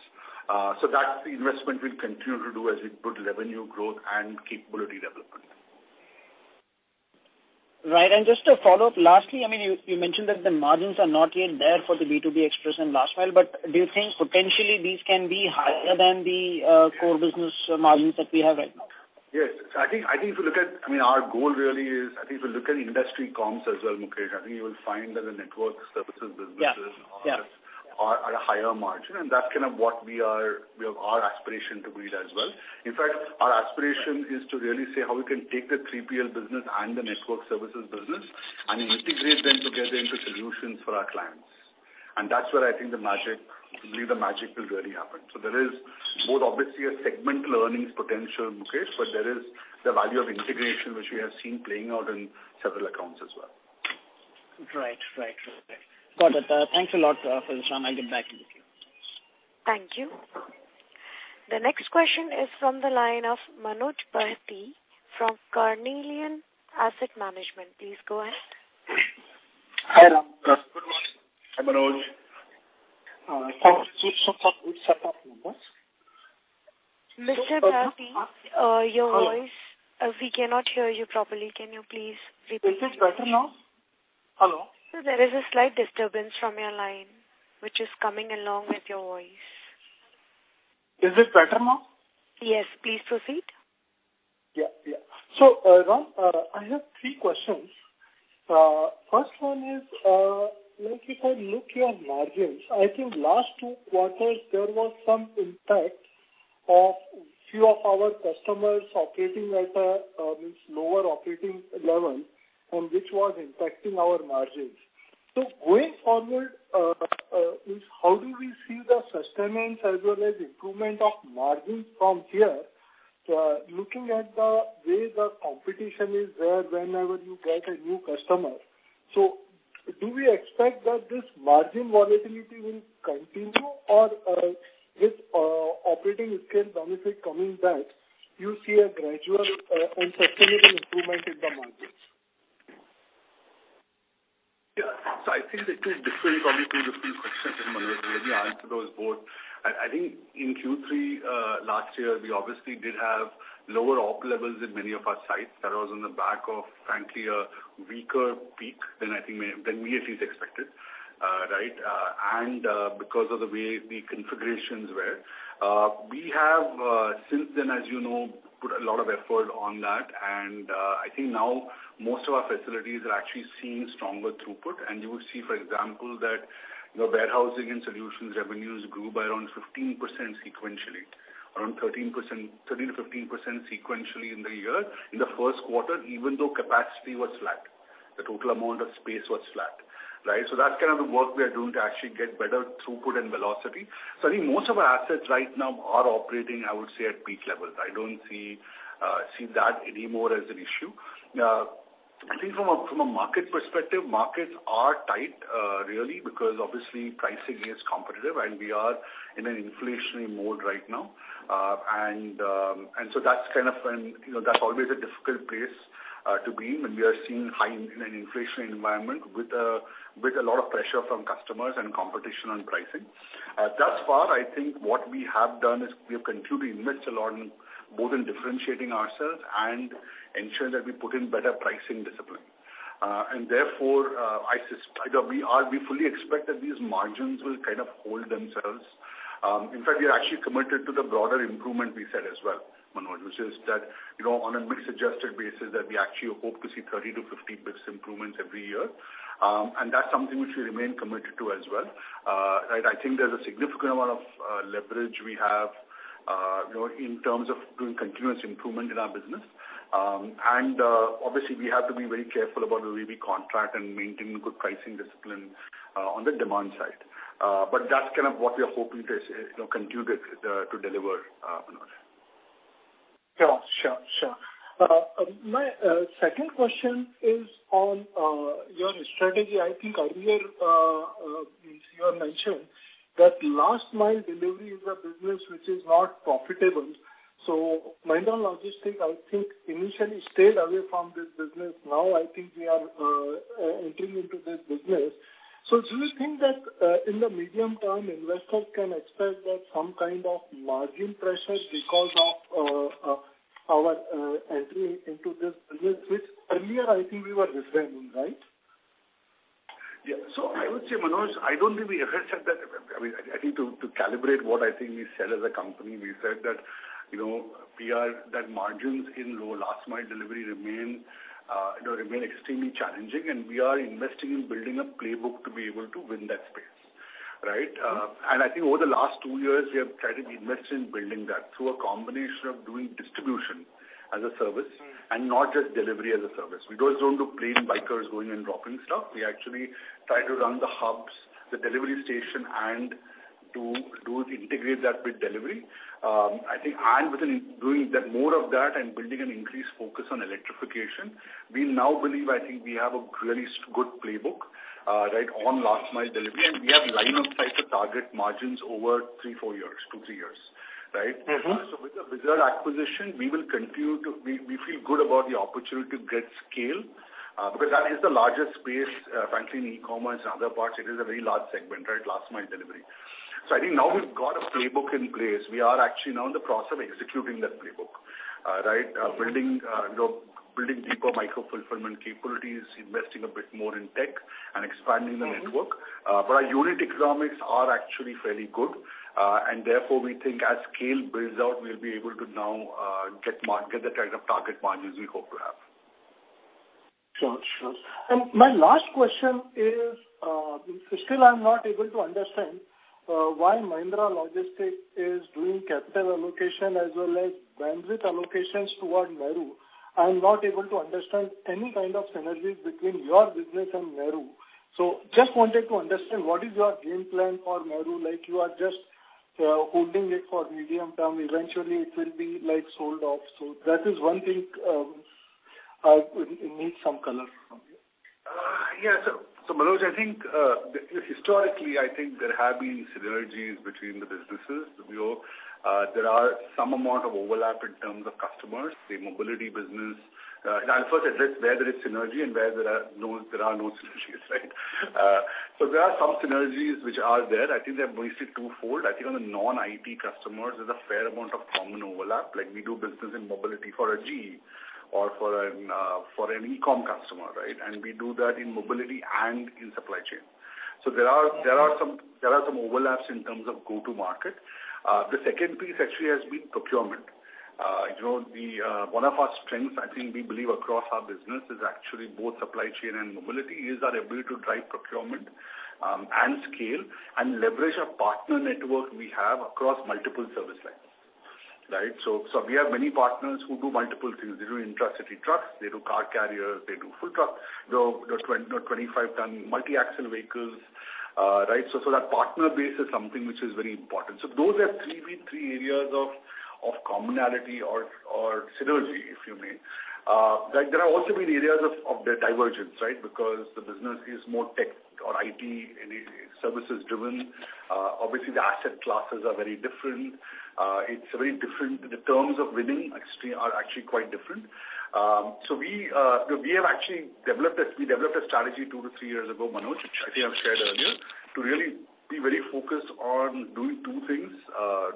That's the investment we'll continue to do as we build revenue growth and capability development. Right. Just to follow up, lastly, I mean, you mentioned that the margins are not yet there for the B2B Express and last-mile, but do you think potentially these can be higher than the core business margins that we have right now? Yes. I think if you look at, I mean, our goal really is. I think if you look at industry comps as well, Mukesh. I think you will find that the network services businesses. Yeah, yeah. Are at a higher margin, and that's kind of what we are. We have our aspiration to build as well. In fact, our aspiration is to really say how we can take the 3PL business and the network services business and integrate them together into solutions for our clients. That's where I think the magic will really happen. There is both obviously a segmental earnings potential, Mukesh, but there is the value of integration which we have seen playing out in several accounts as well. Right. Got it. Thanks a lot, Ram. I'll get back with you. Thank you. The next question is from the line of Manoj Bahety from Carnelian Asset Management. Please go ahead. Hi, Ram. Good morning. I'm Manoj from Carnelian Asset Management. Mr. Bahety Hello. Your voice, we cannot hear you properly. Can you please repeat? Is it better now? Hello. Sir, there is a slight disturbance from your line which is coming along with your voice. Is it better now? Yes. Please proceed. Yeah, Ram, I have three questions. First one is, when we say look your margins, I think last two quarters there was some impact of few of our customers operating at a lower operating level from which was impacting our margins. Going forward, how do we see the sustenance as well as improvement of margins from here, looking at the way the competition is there whenever you get a new customer. Do we expect that this margin volatility will continue or, with operating scale benefit coming back, you see a gradual and sustainable improvement in the margins? Yeah. I think the two different, obviously the two questions, Manoj. Let me answer those both. I think in Q3 last year, we obviously did have lower op levels in many of our sites. That was on the back of frankly a weaker peak than we at least expected, right? Because of the way the configurations were. We have since then, as you know, put a lot of effort on that and I think now most of our facilities are actually seeing stronger throughput. You will see, for example, that our warehousing and solutions revenues grew by around 15% sequentially. Around 13%-15% sequentially in the year, in the first quarter, even though capacity was flat. The total amount of space was flat, right? That's kind of the work we are doing to actually get better throughput and velocity. I think most of our assets right now are operating, I would say, at peak levels. I don't see that anymore as an issue. I think from a market perspective, markets are tight, really because obviously pricing is competitive and we are in an inflationary mode right now. You know, that's always a difficult place to be when we are seeing high in an inflationary environment with a lot of pressure from customers and competition on pricing. Thus far, I think what we have done is we have continued to invest a lot in both differentiating ourselves and ensuring that we put in better pricing discipline. Therefore, we fully expect that these margins will kind of hold themselves. In fact, we are actually committed to the broader improvement we said as well, Manoj, which is that, you know, on a mix-adjusted basis that we actually hope to see 30-50 basis point improvements every year. That's something which we remain committed to as well. Right. I think there's a significant amount of leverage we have, you know, in terms of doing continuous improvement in our business. Obviously, we have to be very careful about the way we contract and maintain good pricing discipline on the demand side. That's kind of what we are hoping to, you know, continue to deliver, Manoj. Yeah. Sure, sure. My second question is on your strategy. I think earlier you had mentioned that last mile delivery is a business which is not profitable. Mahindra Logistics, I think, initially stayed away from this business. Now I think we are entering into this business. Do you think that in the medium term, investors can expect that some kind of margin pressure because of our entry into this business, which earlier I think we were avoiding, right? Yeah. I would say, Manoj, I don't think we ever said that. I mean, I think to calibrate what I think we said as a company, we said that, you know, that margins in last mile delivery remain, you know, remain extremely challenging, and we are investing in building a playbook to be able to win that space, right? I think over the last two years, we have tried to invest in building that through a combination of doing distribution as a service. Not just delivery as a service. We don't just own the plain bikers going and dropping stuff. We actually try to run the hubs, the delivery station, and to integrate that with delivery. I think and within doing that, more of that and building an increased focus on electrification, we now believe, I think we have a really good playbook, right, on last mile delivery. We have line of sight to target margins over three, four years, two, three years, right? With the Whizzard acquisition, we feel good about the opportunity to get scale, because that is the largest space, frankly, in e-commerce and other parts. It is a very large segment, right? Last mile delivery. I think now we've got a playbook in place. We are actually now in the process of executing that playbook, right? You know, building deeper micro-fulfillment capabilities, investing a bit more in tech and expanding the network. Our unit economics are actually fairly good. Therefore we think as scale builds out, we'll be able to now get the kind of target margins we hope to have. Sure, sure. My last question is, still, I'm not able to understand why Mahindra Logistics is doing capital allocation as well as bandwidth allocations toward Meru. I'm not able to understand any kind of synergies between your business and Meru. Just wanted to understand what is your game plan for Meru? Like, you are just holding it for medium term, eventually it will be, like, sold off. That is one thing, I would need some color from you. Manoj, I think, historically, I think there have been synergies between the businesses. You know, there are some amount of overlap in terms of customers, the mobility business. I'll first address where there is synergy and where there are no synergies, right? There are some synergies which are there. I think they're mostly twofold. I think on the non-IT customers, there's a fair amount of common overlap. Like, we do business in mobility for a GE or for an e-com customer, right? And we do that in mobility and in supply chain. There are some overlaps in terms of go-to-market. The second piece actually has been procurement. You know, the one of our strengths I think we believe across our business is actually both supply chain and mobility, is our ability to drive procurement, and scale and leverage a partner network we have across multiple service lines, right? So we have many partners who do multiple things. They do intra-city trucks, they do car carriers, they do full trucks. You know, the 20 or 25 ton multi-axle vehicles, right? So that partner base is something which is very important. So those are three areas of commonality or synergy, if you may. Like, there are also many areas of the divergence, right? Because the business is more tech or IT and it is services driven. Obviously the asset classes are very different. It's very different. The terms of winning actually are quite different. We developed a strategy 2-3 years ago, Manoj. Sure. Which I think I've shared earlier, to really be very focused on doing two things: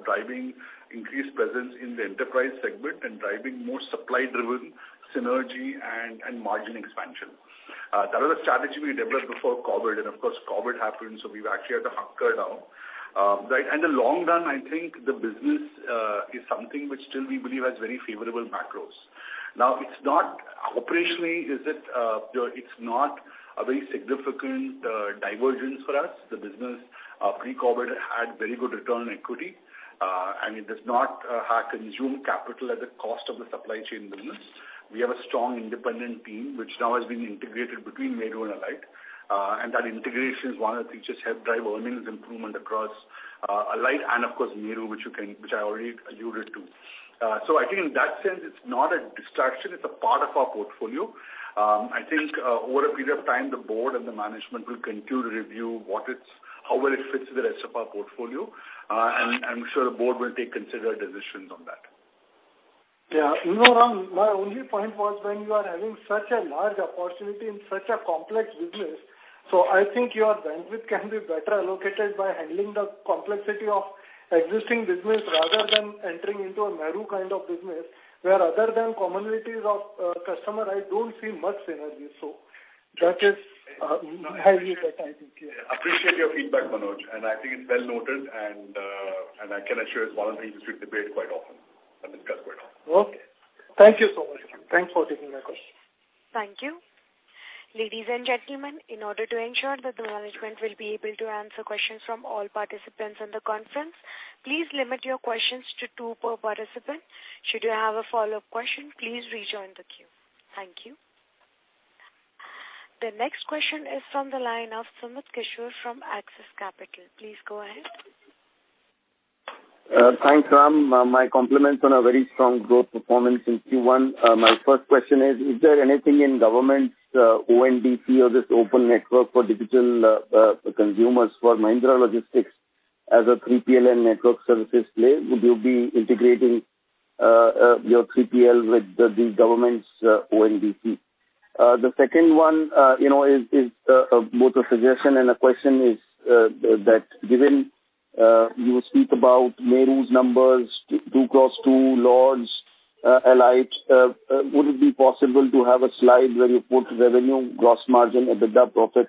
driving increased presence in the enterprise segment and driving more supply-driven synergy and margin expansion. That was the strategy we developed before COVID. Of course, COVID happened, so we've actually had to hunker down. Right, in the long run, I think the business is something which still we believe has very favorable macros. Now, it's not operationally, is it, you know, it's not a very significant divergence for us. The business pre-COVID had very good return on equity and it does not consume capital at the cost of the supply chain business. We have a strong independent team which now has been integrated between Meru and Alyte. That integration is one of the things which has helped drive earnings improvement across Alyte and of course Meru, which I already alluded to. I think in that sense, it's not a distraction, it's a part of our portfolio. I think over a period of time, the board and the management will continue to review what it's, how well it fits the rest of our portfolio. I'm sure the board will take considered decisions on that. Yeah. No, Ram, my only point was when you are having such a large opportunity in such a complex business, so I think your bandwidth can be better allocated by handling the complexity of existing business rather than entering into a Meru kind of business, where other than commonalities of customer, I don't see much synergy. That is my view that I think. Yeah. Appreciate your feedback, Manoj, and I think it's well noted and I can assure you it's one of the things we debate quite often and discuss quite often. Okay. Thank you so much. Thanks for taking my calls. Thank you. Ladies and gentlemen, in order to ensure that the management will be able to answer questions from all participants in the conference, please limit your questions to two per participant. Should you have a follow-up question, please rejoin the queue. Thank you. The next question is from the line of Sumit Kishore from Axis Capital. Please go ahead. Thanks, Ram. My compliments on a very strong growth performance in Q1. My first question is there anything in government's ONDC or this open network for digital commerce for Mahindra Logistics as a 3PL and network services play? Would you be integrating your 3PL with the government's ONDC? The second one, you know, is both a suggestion and a question, that given you speak about Meru's numbers, 2x2, Lords, Alyte, would it be possible to have a slide where you put revenue, gross margin, EBITDA, profit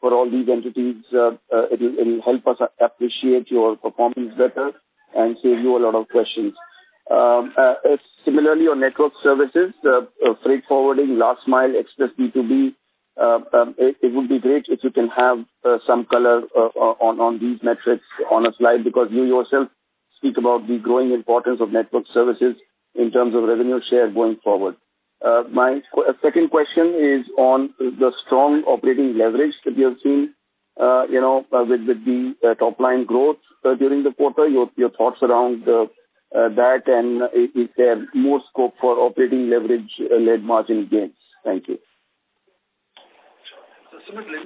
for all these entities? It'll help us appreciate your performance better and save you a lot of questions. Similarly on network services, freight forwarding, Last Mile, Express B2B, it would be great if you can have some color on these metrics on a slide because you yourself speak about the growing importance of network services in terms of revenue share going forward. My second question is on the strong operating leverage that we have seen, you know, with the top line growth during the quarter. Your thoughts around that and is there more scope for operating leverage-led margin gains? Thank you. Sumit, let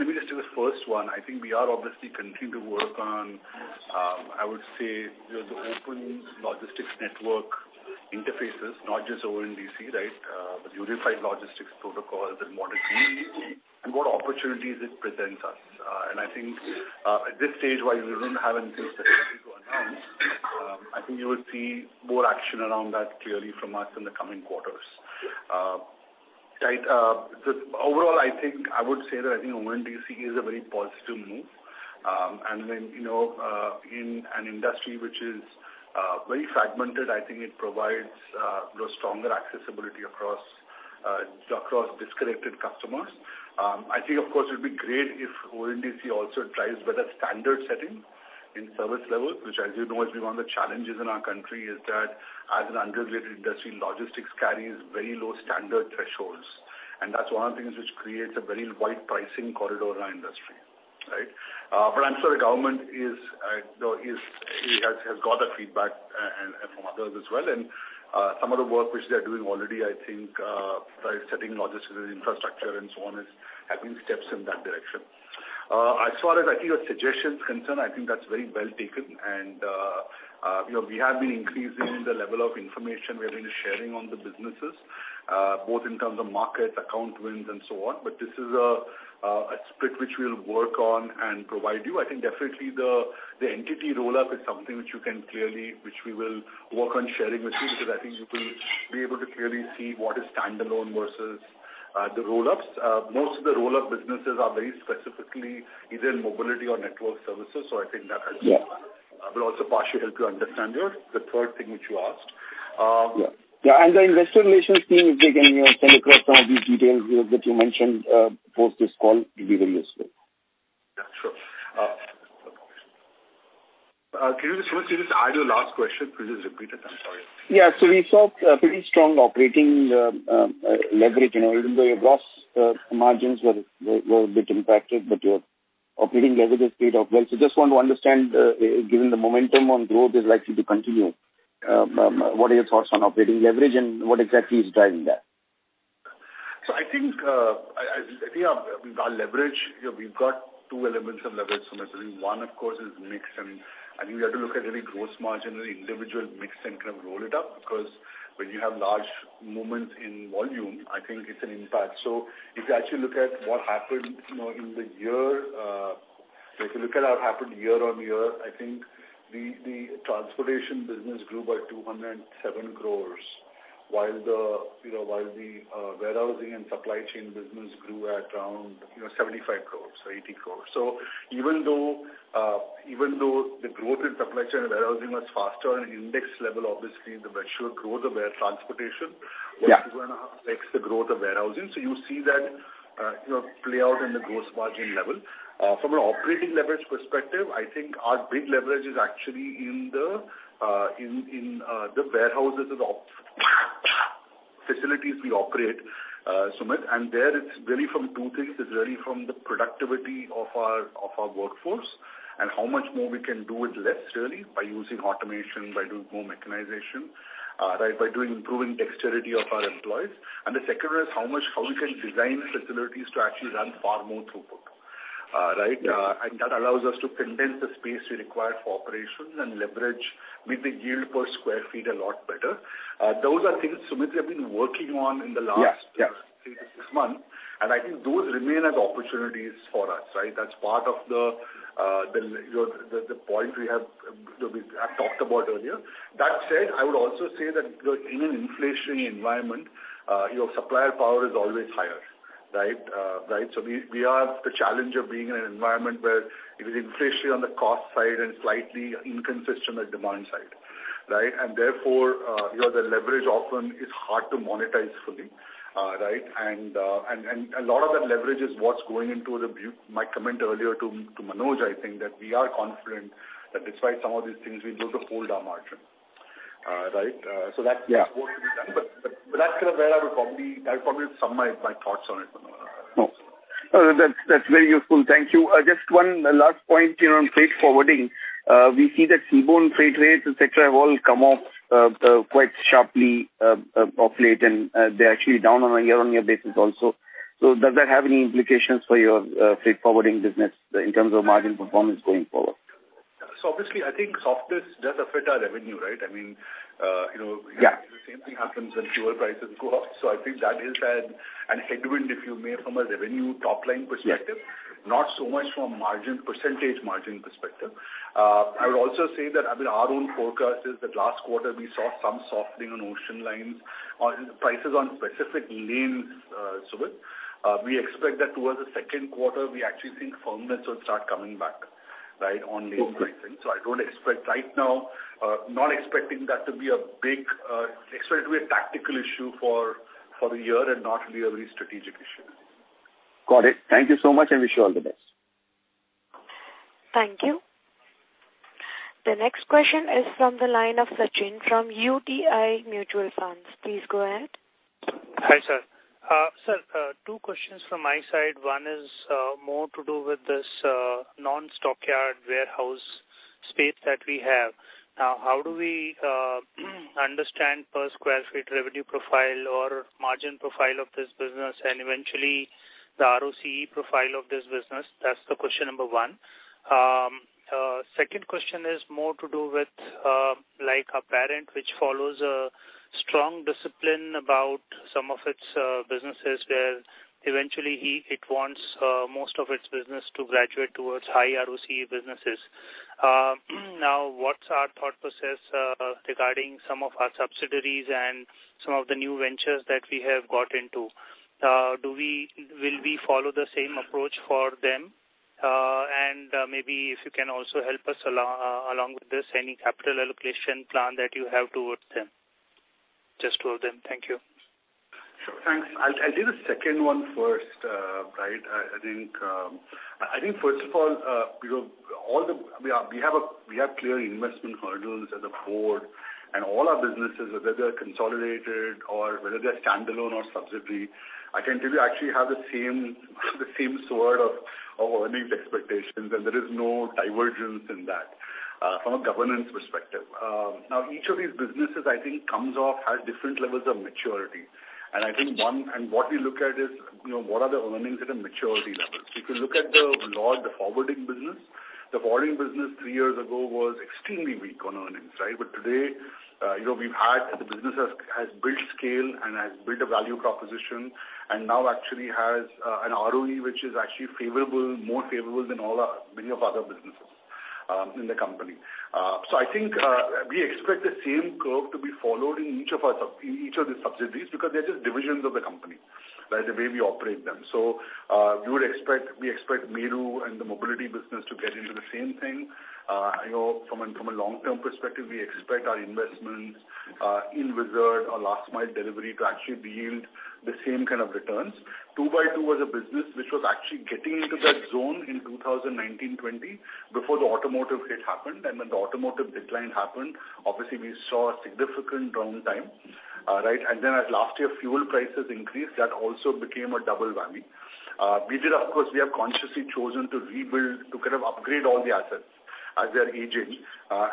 me just do this first one. I think we are obviously continuing to work on, I would say, the open logistics network interfaces, not just ONDC, right? But unified logistics protocols and what it means and what opportunities it presents us. I think at this stage, while we don't have anything specific to announce, I think you will see more action around that clearly from us in the coming quarters. Overall, I think I would say that I think ONDC is a very positive move. You know, in an industry which is very fragmented, I think it provides, you know, stronger accessibility across disconnected customers. I think, of course, it would be great if ONDC also drives better standard setting in service levels, which as you know has been one of the challenges in our country is that as an unregulated industry, logistics carries very low standard thresholds. That's one of the things which creates a very wide pricing corridor in our industry, right? I'm sure the government is, you know, has got that feedback, and from others as well. Some of the work which they are doing already, I think, like setting logistical infrastructure and so on is having steps in that direction. As far as I think your suggestion is concerned, I think that's very well taken. You know, we have been increasing the level of information we have been sharing on the businesses, both in terms of market, account wins and so on. This is a split which we'll work on and provide you. I think definitely the entity roll-up is something which we will work on sharing with you, because I think you will be able to clearly see what is standalone versus the roll-ups. Most of the roll-up businesses are very specifically either in mobility or network services. I think that has. Yeah. Also partially help you understand your, the third thing which you asked. Yeah. Yeah, the investor relations team, if they can, you know, send across some of these details that you mentioned, post this call, it'll be very useful. Yeah, sure. Can you just first just add your last question, please repeat it? I'm sorry. Yeah. We saw pretty strong operating leverage, you know, even though your gross margins were a bit impacted, but your operating leverage has paid off well. Just want to understand, given the momentum on growth is likely to continue, what are your thoughts on operating leverage and what exactly is driving that? I think our leverage, we've got two elements of leverage from it. One, of course, is mix. I think we have to look at real gross margin and individual mix and kind of roll it up, because when you have large movements in volume, I think it's an impact. If you actually look at what happened year-on-year, I think the transportation business grew by 207 crores, while the warehousing and supply chain business grew at around 75 crores or 80 crores. Even though the growth in supply chain and warehousing was faster in index level, obviously the major growth of our transportation Yeah. Was 2.5x the growth of warehousing. You see that, you know, play out in the gross margin level. From an operating leverage perspective, I think our big leverage is actually in the warehousing facilities we operate, Sumit. And there it's really from two things. It's really from the productivity of our workforce and how much more we can do with less really by using automation, by doing more mechanization, right, by improving dexterity of our employees. And the second one is how we can design facilities to actually run far more throughput. Right? Yeah. That allows us to condense the space we require for operations and leverage make the yield per sq ft a lot better. Those are things, Sumit, we have been working on in the last. Yes, yes. Six months. I think those remain as opportunities for us, right? That's part of the point we have talked about earlier. That said, I would also say that in an inflationary environment, your supplier power is always higher, right? Right. We have the challenge of being in an environment where it is inflationary on the cost side and slightly inconsistent at demand side. Right. Therefore, you know, the leverage often is hard to monetize fully, right? And a lot of that leverage is what's going into the view. My comment earlier to Manoj, I think, that we are confident that despite some of these things we'll be able to hold our margin. Right. So that. Yeah. There's work to be done. That's kind of where I would probably sum my thoughts on it. No, that's very useful. Thank you. Just one last point, you know, on freight forwarding. We see that seaborne freight rates, et cetera, have all come off quite sharply of late, and they're actually down on a year-on-year basis also. Does that have any implications for your freight forwarding business in terms of margin performance going forward? Obviously, I think softer does affect our revenue, right? I mean, you know. Yeah. The same thing happens when fuel prices go up. I think that is an headwind, if you may, from a revenue top-line perspective. Yes. Not so much from margin, percentage margin perspective. I would also say that, I mean, our own forecast is that last quarter we saw some softening on ocean lines on prices on specific lanes, Sumit. We expect that towards the second quarter, we actually think firmness will start coming back, right, on lane pricing. I don't expect right now. Expect it to be a tactical issue for the year and not really a very strategic issue. Got it. Thank you so much, and wish you all the best. Thank you. The next question is from the line of Sachin from UTI Mutual Fund. Please go ahead. Hi, sir. Two questions from my side. One is more to do with this non-stockyard warehouse space that we have. Now, how do we understand per square feet revenue profile or margin profile of this business, and eventually the ROCE profile of this business? That's the question number one. Second question is more to do with, like our parent, which follows a strong discipline about some of its businesses, where eventually it wants most of its business to graduate towards high ROCE businesses. Now, what's our thought process regarding some of our subsidiaries and some of the new ventures that we have got into? Will we follow the same approach for them? Maybe if you can also help us along with this, any capital allocation plan that you have towards them. Just two of them. Thank you. Sure. Thanks. I'll do the second one first, right. I think first of all, you know, we have clear investment hurdles as a board and all our businesses, whether they are consolidated or whether they are standalone or subsidiary, I can tell you we actually have the same sort of earnings expectations and there is no divergence in that from a governance perspective. Now each of these businesses I think comes off at different levels of maturity. I think what we look at is, you know, what are the earnings at a maturity level. If you look at the logistics forwarding business three years ago was extremely weak on earnings, right? Today, you know, the business has built scale and has built a value proposition and now actually has an ROE which is actually favorable, more favorable than many of our other businesses in the company. I think we expect the same curve to be followed in each of the subsidiaries, because they're just divisions of the company, right? The way we operate them. We expect Meru and the mobility business to get into the same thing. I know from a long-term perspective, we expect our investments in Whizzard, our last mile delivery, to actually yield the same kind of returns. 2x2 was a business which was actually getting into that zone in 2019-2020 before the automotive hit happened. When the automotive decline happened, obviously we saw a significant downtime, right? Then as last year fuel prices increased, that also became a double whammy. We did of course, we have consciously chosen to rebuild, to kind of upgrade all the assets as they are aging,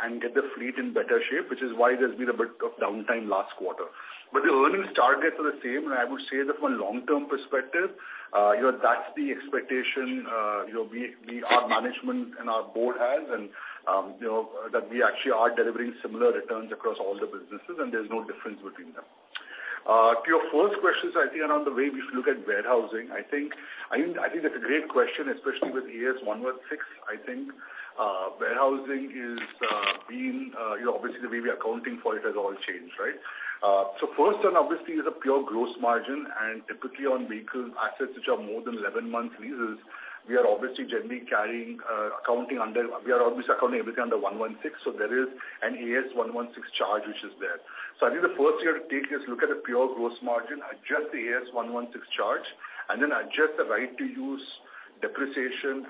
and get the fleet in better shape, which is why there's been a bit of downtime last quarter. The earnings targets are the same, and I would say that from a long-term perspective, you know, that's the expectation, you know, we, our management and our board has, you know, that we actually are delivering similar returns across all the businesses and there's no difference between them. To your first questions, I think around the way we should look at warehousing, I think that's a great question, especially with AS 116. I think warehousing is, you know, obviously the way we are accounting for it has all changed, right? So first one obviously is a pure gross margin, and typically on vehicle assets which are more than 11 months leases, we are obviously accounting everything under 116, so there is Ind AS 116 charge which is there. So I think the first you have to take is look at the pure gross margin, adjust the Ind AS 116 charge, and then adjust the right to use depreciation,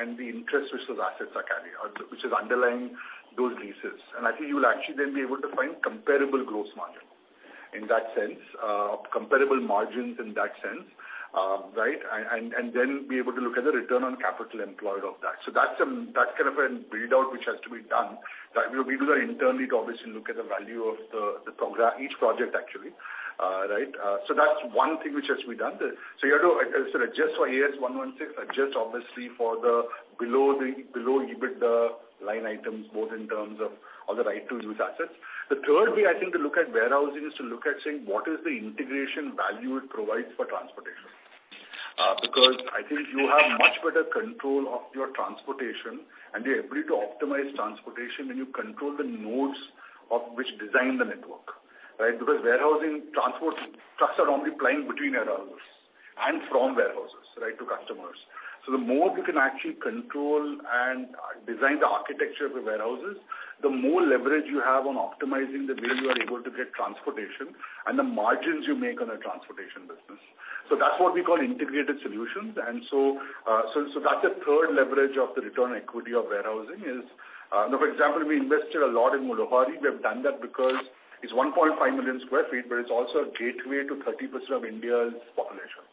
and the interest which those assets are carrying or which is underlying those leases. I think you will actually then be able to find comparable gross margin in that sense, comparable margins in that sense. Right? Then be able to look at the return on capital employed of that. That's kind of a build-out which has to be done. That we will be doing internally to obviously look at the value of each project actually. Right? That's one thing which has to be done. You have to sort of adjust for Ind AS 116, adjust obviously for the below EBITDA line items, both in terms of all the right-to-use assets. The third way I think to look at warehousing is to look at saying what is the integration value it provides for transportation? Because I think you have much better control of your transportation and the ability to optimize transportation when you control the nodes of which design the network. Right, because warehousing transport trucks are only plying between our warehouses and from warehouses, right, to customers. The more you can actually control and design the architecture of the warehouses, the more leverage you have on optimizing the way you are able to get transportation and the margins you make on a transportation business. That's what we call integrated solutions. That's the third leverage of the return on equity of warehousing. For example, we invested a lot in Luhari. We have done that because it's 1.5 million sq ft, but it's also a gateway to 30% of India's population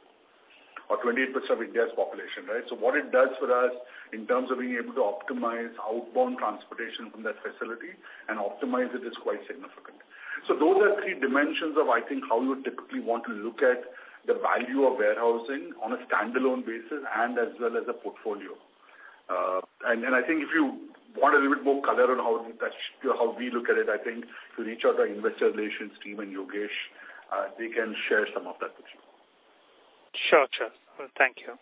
or 28% of India's population, right? What it does for us in terms of being able to optimize outbound transportation from that facility and optimize it is quite significant. Those are three dimensions of, I think, how you would typically want to look at the value of warehousing on a standalone basis and as well as a portfolio. I think if you want a little bit more color on how we look at it, I think if you reach out to our investor relations team and Yogesh, they can share some of that with you. Sure, sure. Thank you.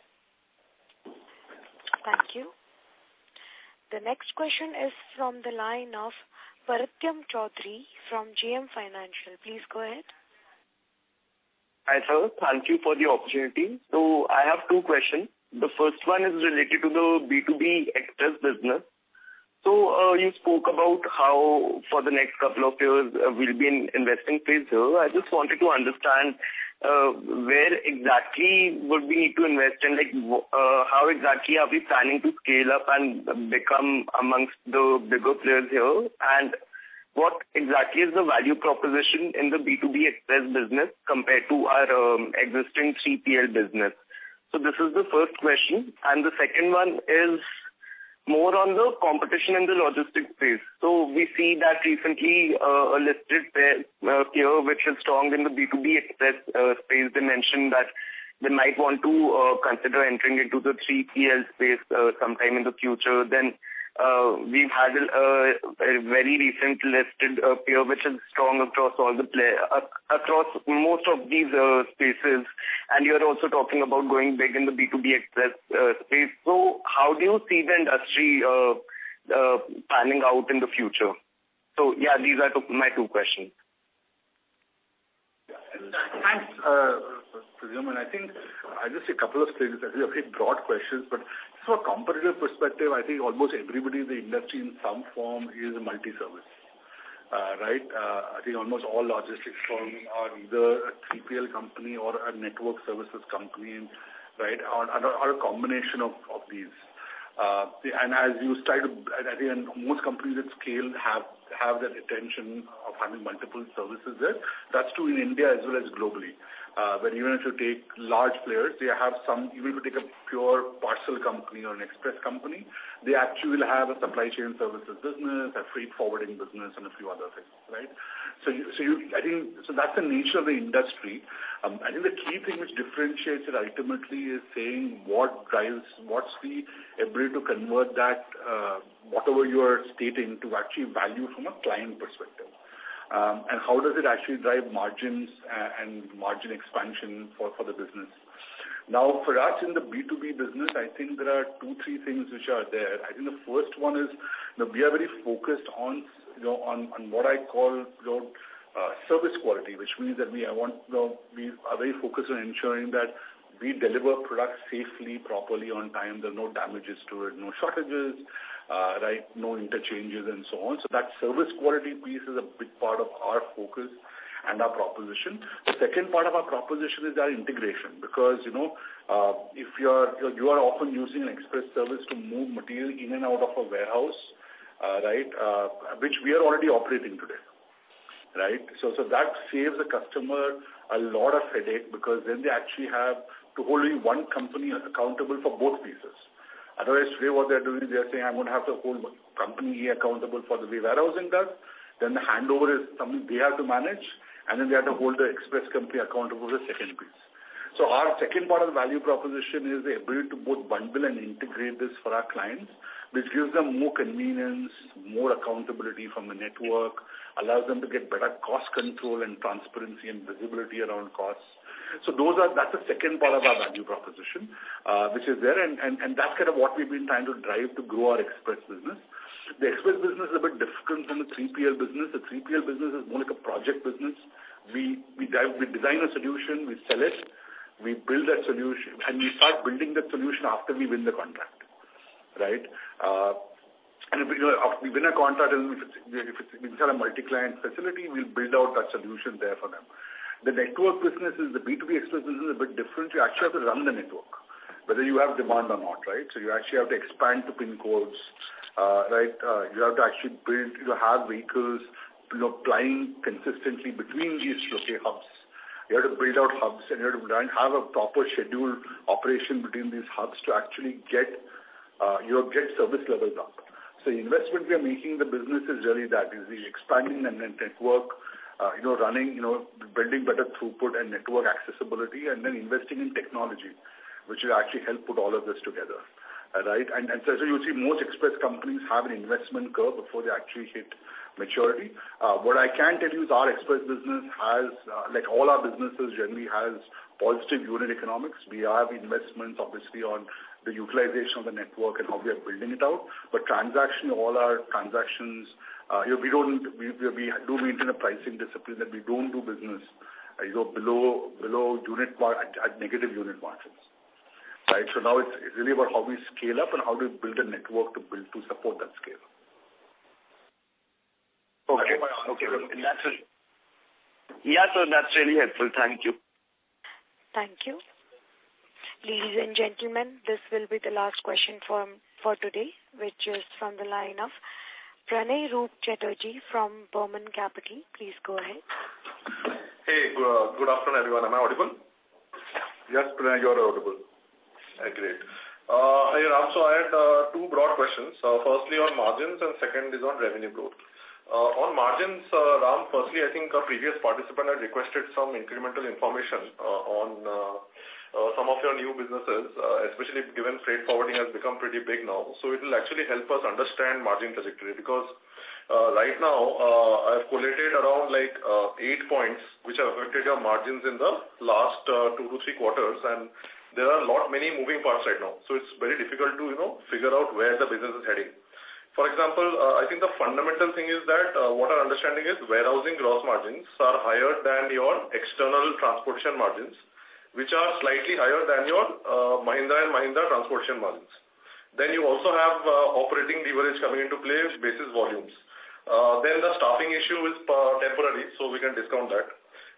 Thank you. The next question is from the line of Pradyumna Choudhary from JM Financial. Please go ahead. Hi, sir. Thank you for the opportunity. I have two questions. The first one is related to the B2B Express business. You spoke about how for the next couple of years we'll be in investing phase here. I just wanted to understand where exactly would we need to invest and, like, how exactly are we planning to scale up and become amongst the bigger players here? What exactly is the value proposition in the B2B Express business compared to our existing 3PL business? This is the first question, and the second one is more on the competition in the logistics space. We see that recently a listed peer which is strong in the B2B Express space, they mentioned that they might want to consider entering into the 3PL space sometime in the future. We've had a very recent listed peer which is strong across all the players across most of these spaces, and you're also talking about going big in the B2B Express space. How do you see the industry panning out in the future? Yeah, these are my two questions. Yeah. Thanks, Pradyumna. I think just a couple of things. Those are very broad questions, but just from a competitive perspective, I think almost everybody in the industry in some form is multi-service. Right? I think almost all logistics firms are either a 3PL company or a network services company, right, or a combination of these. At the end, most companies that scale have that intention of having multiple services there. That's true in India as well as globally. Even if you take a pure parcel company or an express company, they actually will have a supply chain services business, a freight forwarding business and a few other things, right? I think that's the nature of the industry. I think the key thing which differentiates it ultimately is saying what drives, what's the ability to convert that, whatever you are stating to actually value from a client perspective. How does it actually drive margins and margin expansion for the business. Now, for us in the B2B business, I think there are two, three things which are there. I think the first one is, you know, we are very focused on, you know, on what I call, you know, service quality, which means that we are very focused on ensuring that we deliver products safely, properly, on time. There are no damages to it, no shortages, right, no interchanges and so on. That service quality piece is a big part of our focus and our proposition. The second part of our proposition is our integration, because, you know, if you are often using an express service to move material in and out of a warehouse, right, which we are already operating today, right? So that saves the customer a lot of headache because then they actually have to hold only one company accountable for both pieces. Otherwise, today what they are doing is they are saying, "I'm gonna have to hold company accountable for the way warehousing does." The handover is something they have to manage, and then they have to hold the express company accountable for the second piece. Our second part of the value proposition is the ability to both bundle and integrate this for our clients, which gives them more convenience, more accountability from the network, allows them to get better cost control and transparency and visibility around costs. That's the second part of our value proposition, which is there and that's kind of what we've been trying to drive to grow our express business. The express business is a bit different from the 3PL business. The 3PL business is more like a project business. We design a solution, we sell it, we build that solution, and we start building that solution after we win the contract, right? If, you know, we win a contract and if it's a multi-client facility, we'll build out that solution there for them. The network business is, the B2B Express business is a bit different. You actually have to run the network whether you have demand or not, right? You actually have to expand to pin codes, right? You have to actually build, you have vehicles, you know, plying consistently between these local hubs. You have to build out hubs, and you have to then have a proper scheduled operation between these hubs to actually get, you have to get service levels up. The investment we are making in the business is really that, is the expanding the network, you know, running, you know, building better throughput and network accessibility, and then investing in technology, which will actually help put all of this together, right? You'll see most express companies have an investment curve before they actually hit maturity. What I can tell you is our express business has, like all our businesses generally, positive unit economics. We have investments obviously on the utilization of the network and how we are building it out. All our transactions, you know, we do maintain a pricing discipline that we don't do business, you know, below unit margins at negative unit margins. Right. Now it's really about how we scale up and how we build a network to support that scale. Okay. Okay. I hope I answered. Yeah. That's really helpful. Thank you. Thank you. Ladies and gentlemen, this will be the last question from, for today, which is from the line of Pranay Roop Chatterjee from Burman Capital. Please go ahead. Hey, good afternoon, everyone. Am I audible? Yes, Pranay, you are audible. Great. So I had two broad questions. Firstly on margins and second is on revenue growth. On margins, Ram, firstly, I think a previous participant had requested some incremental information on some of your new businesses, especially given freight forwarding has become pretty big now. So it'll actually help us understand margin trajectory. Because right now, I've collated around like 8 points which have affected your margins in the last 2-3 quarters, and there are many moving parts right now, so it's very difficult to, you know, figure out where the business is heading. For example, I think the fundamental thing is that what our understanding is warehousing gross margins are higher than your external transportation margins, which are slightly higher than your Mahindra & Mahindra transportation margins. You also have operating leverage coming into play basis volumes. The staffing issue is temporary, so we can discount that.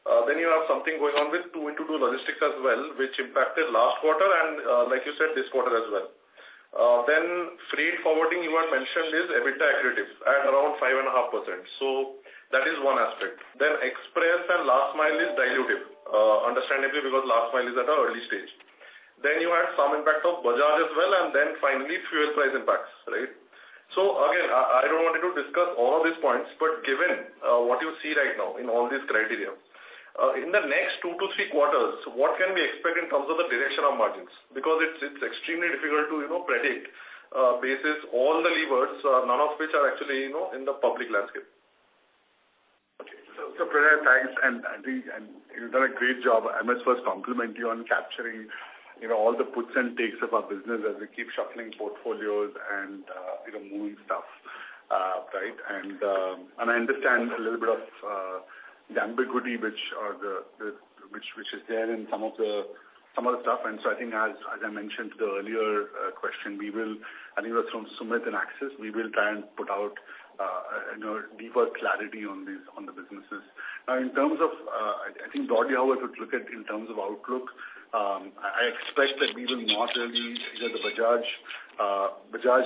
You have something going on with 2x2 logistics as well, which impacted last quarter and, like you said, this quarter as well. Freight forwarding you had mentioned is EBITDA accretive at around 5.5%, so that is one aspect. Express and Last Mile is dilutive, understandably because last mile is at an early stage. You had some impact of Bajaj as well, and finally fuel price impacts, right? Again, I don't want you to discuss all of these points, but given what you see right now in all these criteria, in the next 2-3 quarters, what can we expect in terms of the direction of margins? Because it's extremely difficult to, you know, predict based on all the levers, none of which are actually, you know, in the public landscape. Okay. Pranay, thanks. I think you've done a great job. I must first compliment you on capturing, you know, all the puts and takes of our business as we keep shuffling portfolios and, you know, moving stuff, right. I understand a little bit of the ambiguity which is there in some of the stuff. I think as I mentioned to the earlier question, we will. I think that's from Sumit and Axis, we will try and put out, you know, deeper clarity on these, on the businesses. Now, in terms of, I think broadly how I would look at in terms of outlook, I expect that we will not really. You know, the Bajaj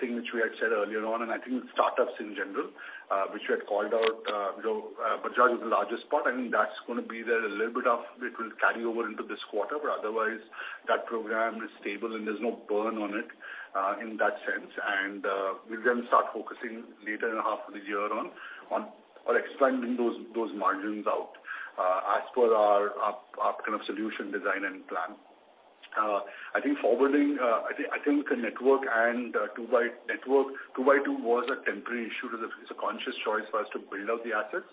thing which we had said earlier on, and I think startups in general, which we had called out, you know, Bajaj is the largest part. I think that's gonna be there. A little bit of it will carry over into this quarter, but otherwise that program is stable and there's no burn on it in that sense. We're gonna start focusing later in half of the year on expanding those margins out as per our kind of solution design and plan. I think forwarding, I think the network and 2x2 was a temporary issue. It was a conscious choice for us to build out the assets.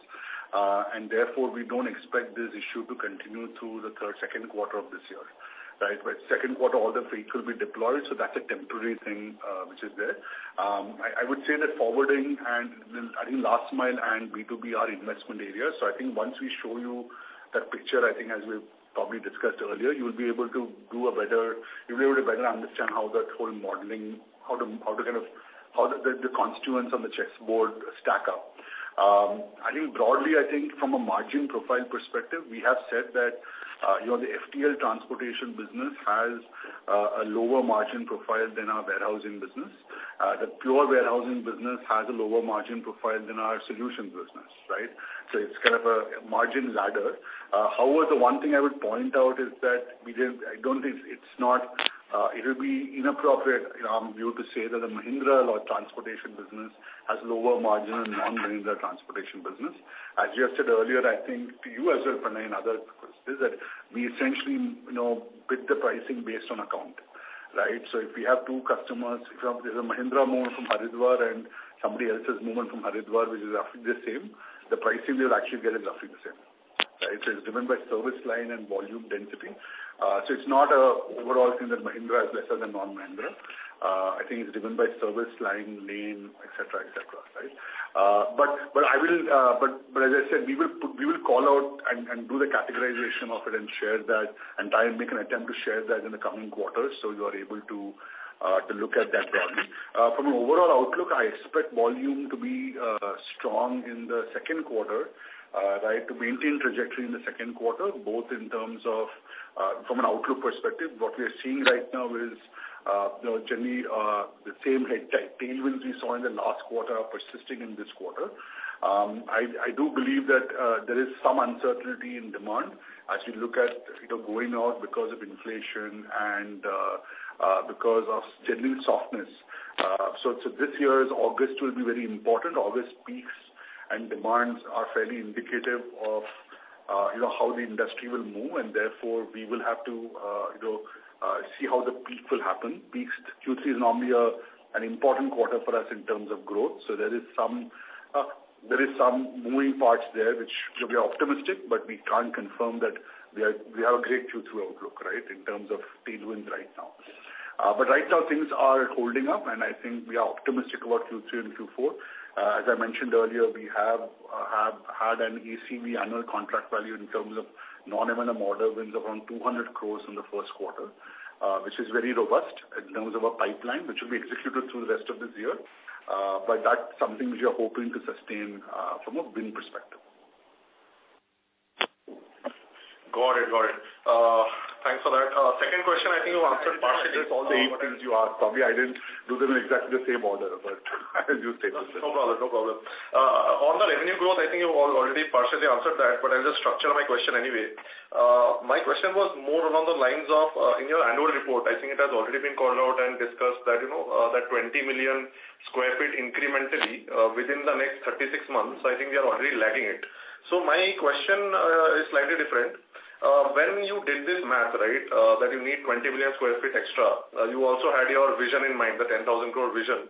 Therefore we don't expect this issue to continue through the third, second quarter of this year, right? By second quarter, all the fleet will be deployed, so that's a temporary thing, which is there. I would say that forwarding and then I think last mile and B2B are investment areas. I think once we show you that picture, I think as we probably discussed earlier, you will be able to do a better. You'll be able to better understand how that whole modeling, how the constituents on the chessboard stack up. I think broadly, I think from a margin profile perspective, we have said that, you know, the FTL transportation business has a lower margin profile than our warehousing business. The pure warehousing business has a lower margin profile than our solutions business, right? It's kind of a margin ladder. However, the one thing I would point out is that I don't think it would be inappropriate, you know, Ram, for you to say that the Mahindra or transportation business has lower margin than non-Mahindra transportation business. As you had said earlier, I think to you as well, Pranay and others, is that we essentially, you know, bid the pricing based on account, right? If we have two customers, if there's a Mahindra movement from Haridwar and somebody else's movement from Haridwar, which is roughly the same, the pricing they'll actually get is roughly the same, right? It's driven by service line and volume density. It's not an overall thing that Mahindra is lesser than non-Mahindra. I think it's driven by service line, lane, et cetera, right? As I said, we will put, we will call out and do the categorization of it and share that and try and make an attempt to share that in the coming quarters so you are able to look at that broadly. From an overall outlook, I expect volume to be strong in the second quarter, right, to maintain trajectory in the second quarter, both in terms of from an outlook perspective. What we are seeing right now is, you know, generally, the same headwinds and tailwinds we saw in the last quarter are persisting in this quarter. I do believe that there is some uncertainty in demand as we look at, you know, going out because of inflation and because of general softness. This year's August will be very important. August peaks and demands are fairly indicative of, you know, how the industry will move, and therefore we will have to, you know, see how the peak will happen. Peak Q3 is normally an important quarter for us in terms of growth, so there is some moving parts there which look optimistic, but we can't confirm that we have a great Q2 outlook, right, in terms of tailwinds right now. Right now things are holding up, and I think we are optimistic about Q3 and Q4. As I mentioned earlier, we have had an ACV annual contract value in terms of non-M&A model wins around 200 crore in the first quarter, which is very robust in terms of our pipeline, which will be executed through the rest of this year. That's something which we are hoping to sustain from a win perspective. Got it. Thanks for that. Second question I think you answered partially. I think it's the same things you asked, probably. I didn't do them in exactly the same order, but as you say. No problem. On the revenue growth, I think you already partially answered that, but I'll just structure my question anyway. My question was more along the lines of, in your annual report, I think it has already been called out and discussed that, you know, that 20 million sq ft incrementally, within the next 36 months. I think you're already lagging it. My question is slightly different. When you did this math, right, that you need 20 million sq ft extra, you also had your vision in mind, the 10,000 crore vision.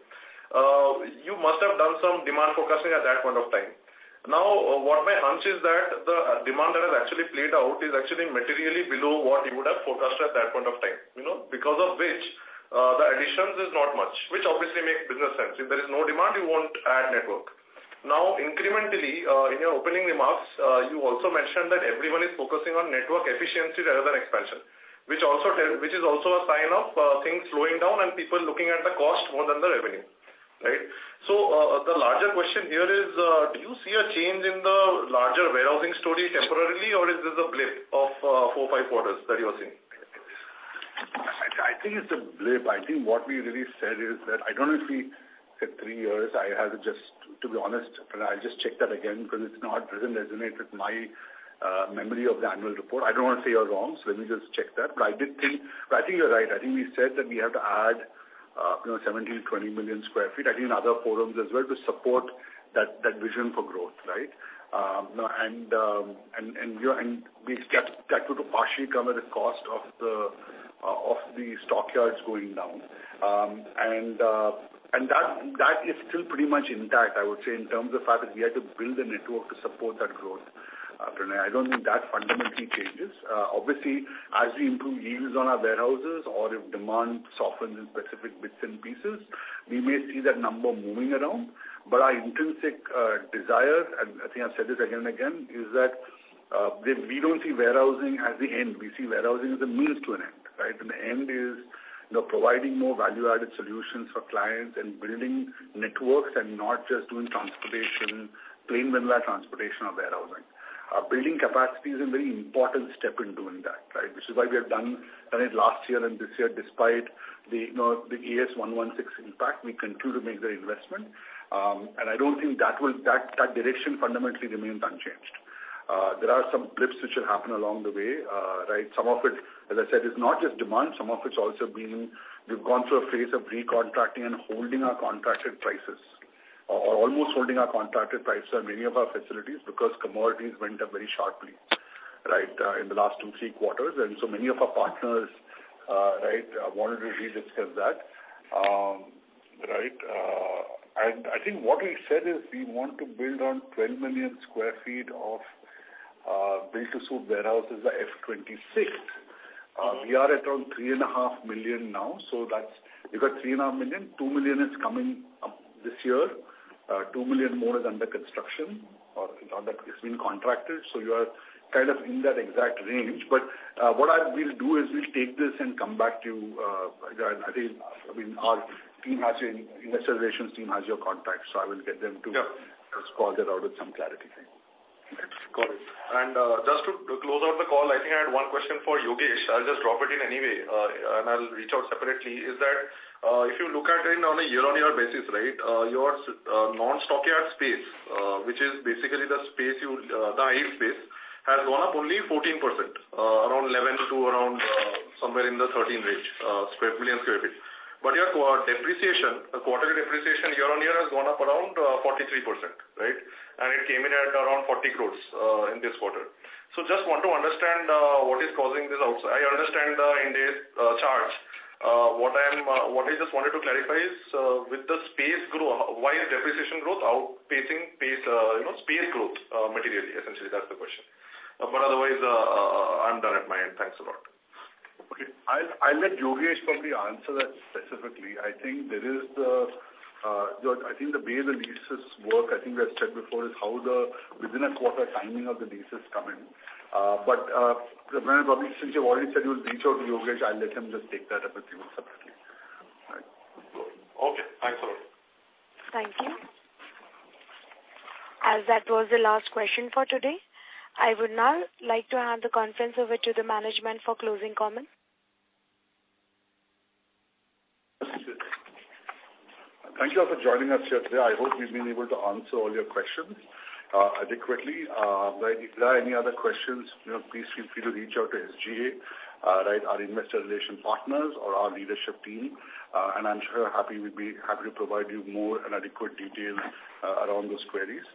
You must have done some demand forecasting at that point of time. Now, what my hunch is that the demand that has actually played out is actually materially below what you would have forecasted at that point of time, you know. Because of which, the additions is not much, which obviously makes business sense. If there is no demand, you won't add network. Now, incrementally, in your opening remarks, you also mentioned that everyone is focusing on network efficiency rather than expansion, which is also a sign of things slowing down and people looking at the cost more than the revenue, right? The larger question here is, do you see a change in the larger warehousing story temporarily, or is this a blip of four, five quarters that you are seeing? I think it's a blip. I think what we really said is that I don't know if we said three years. To be honest, Pranay, I'll just check that again because it's not resonated with my memory of the annual report. I don't wanna say you're wrong, so let me just check that. I did think. I think you're right. I think we said that we have to add, you know, 17 million sq ft-20 million sq ft, I think in other forums as well, to support that vision for growth, right? That would partially come at a cost of the stockyards going down. That is still pretty much intact, I would say, in terms of the fact that we had to build a network to support that growth, Pranay. I don't think that fundamentally changes. Obviously, as we improve yields on our warehouses or if demand softens in specific bits and pieces, we may see that number moving around. Our intrinsic desire, and I think I've said it again and again, is that we don't see warehousing as the end. We see warehousing as a means to an end, right? The end is, you know, providing more value-added solutions for clients and building networks and not just doing transportation, plain vanilla transportation or warehousing. Building capacity is a very important step in doing that, right? Which is why we have done it last year and this year despite the, you know, the Ind AS 116 impact. We continue to make the investment. I don't think that will. That direction fundamentally remains unchanged. There are some blips which will happen along the way, right? Some of it, as I said, is not just demand. Some of it's also been we've gone through a phase of recontracting and holding our contracted prices, or almost holding our contracted prices on many of our facilities because commodities went up very sharply, right, in the last two, three quarters. So many of our partners, right, wanted to re-discuss that. I think what we said is we want to build 12 million sq ft of build-to-suit warehouses by FY 2026. We are at around 3.5 million sq ft now, so that's. We've got 3.5 million sq ft. 2 million sq ft is coming up this year. 2 million sq ft more is under construction or, you know, that has been contracted. You are kind of in that exact range. What we'll do is we'll take this and come back to you. I think, I mean, our investor relations team has your contact, so I will get them to. Yeah. Call that out with some clarity. Got it. Just to close out the call, I think I had one question for Yogesh. I'll just drop it in anyway, and I'll reach out separately. If you look at it on a year-on-year basis, right, your non-stockyard space, which is basically the space, the yield space, has gone up only 14%, around 11 million sq ft to around 13 million sq ft. But your depreciation, quarterly depreciation year-on-year has gone up around 43%, right? It came in at around 40 crore in this quarter. Just want to understand what is causing this also. I understand the Ind AS charts. What I just wanted to clarify is, with the space growth, why is depreciation growth outpacing space growth materially? You know, essentially, that's the question. Otherwise, I'm done at my end. Thanks a lot. Okay. I'll let Yogesh probably answer that specifically. I think the way the leases work, I think we've said before, is how the timing within a quarter of the leases come in. Pranay, probably since you've already said you'll reach out to Yogesh, I'll let him just take that up with you separately. All right. Okay. Thanks a lot. Thank you. As that was the last question for today, I would now like to hand the conference over to the management for closing comments. Thank you all for joining us here today. I hope we've been able to answer all your questions adequately. If there are any other questions, you know, please feel free to reach out to SGA, right, our investor relations partners or our leadership team. I'm sure we'd be happy to provide you more and adequate details around those queries.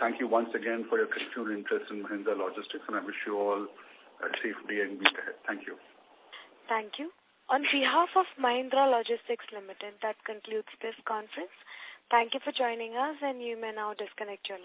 Thank you once again for your continued interest in Mahindra Logistics, and I wish you all a safe day and week ahead. Thank you. Thank you. On behalf of Mahindra Logistics Limited, that concludes this conference. Thank you for joining us, and you may now disconnect your lines.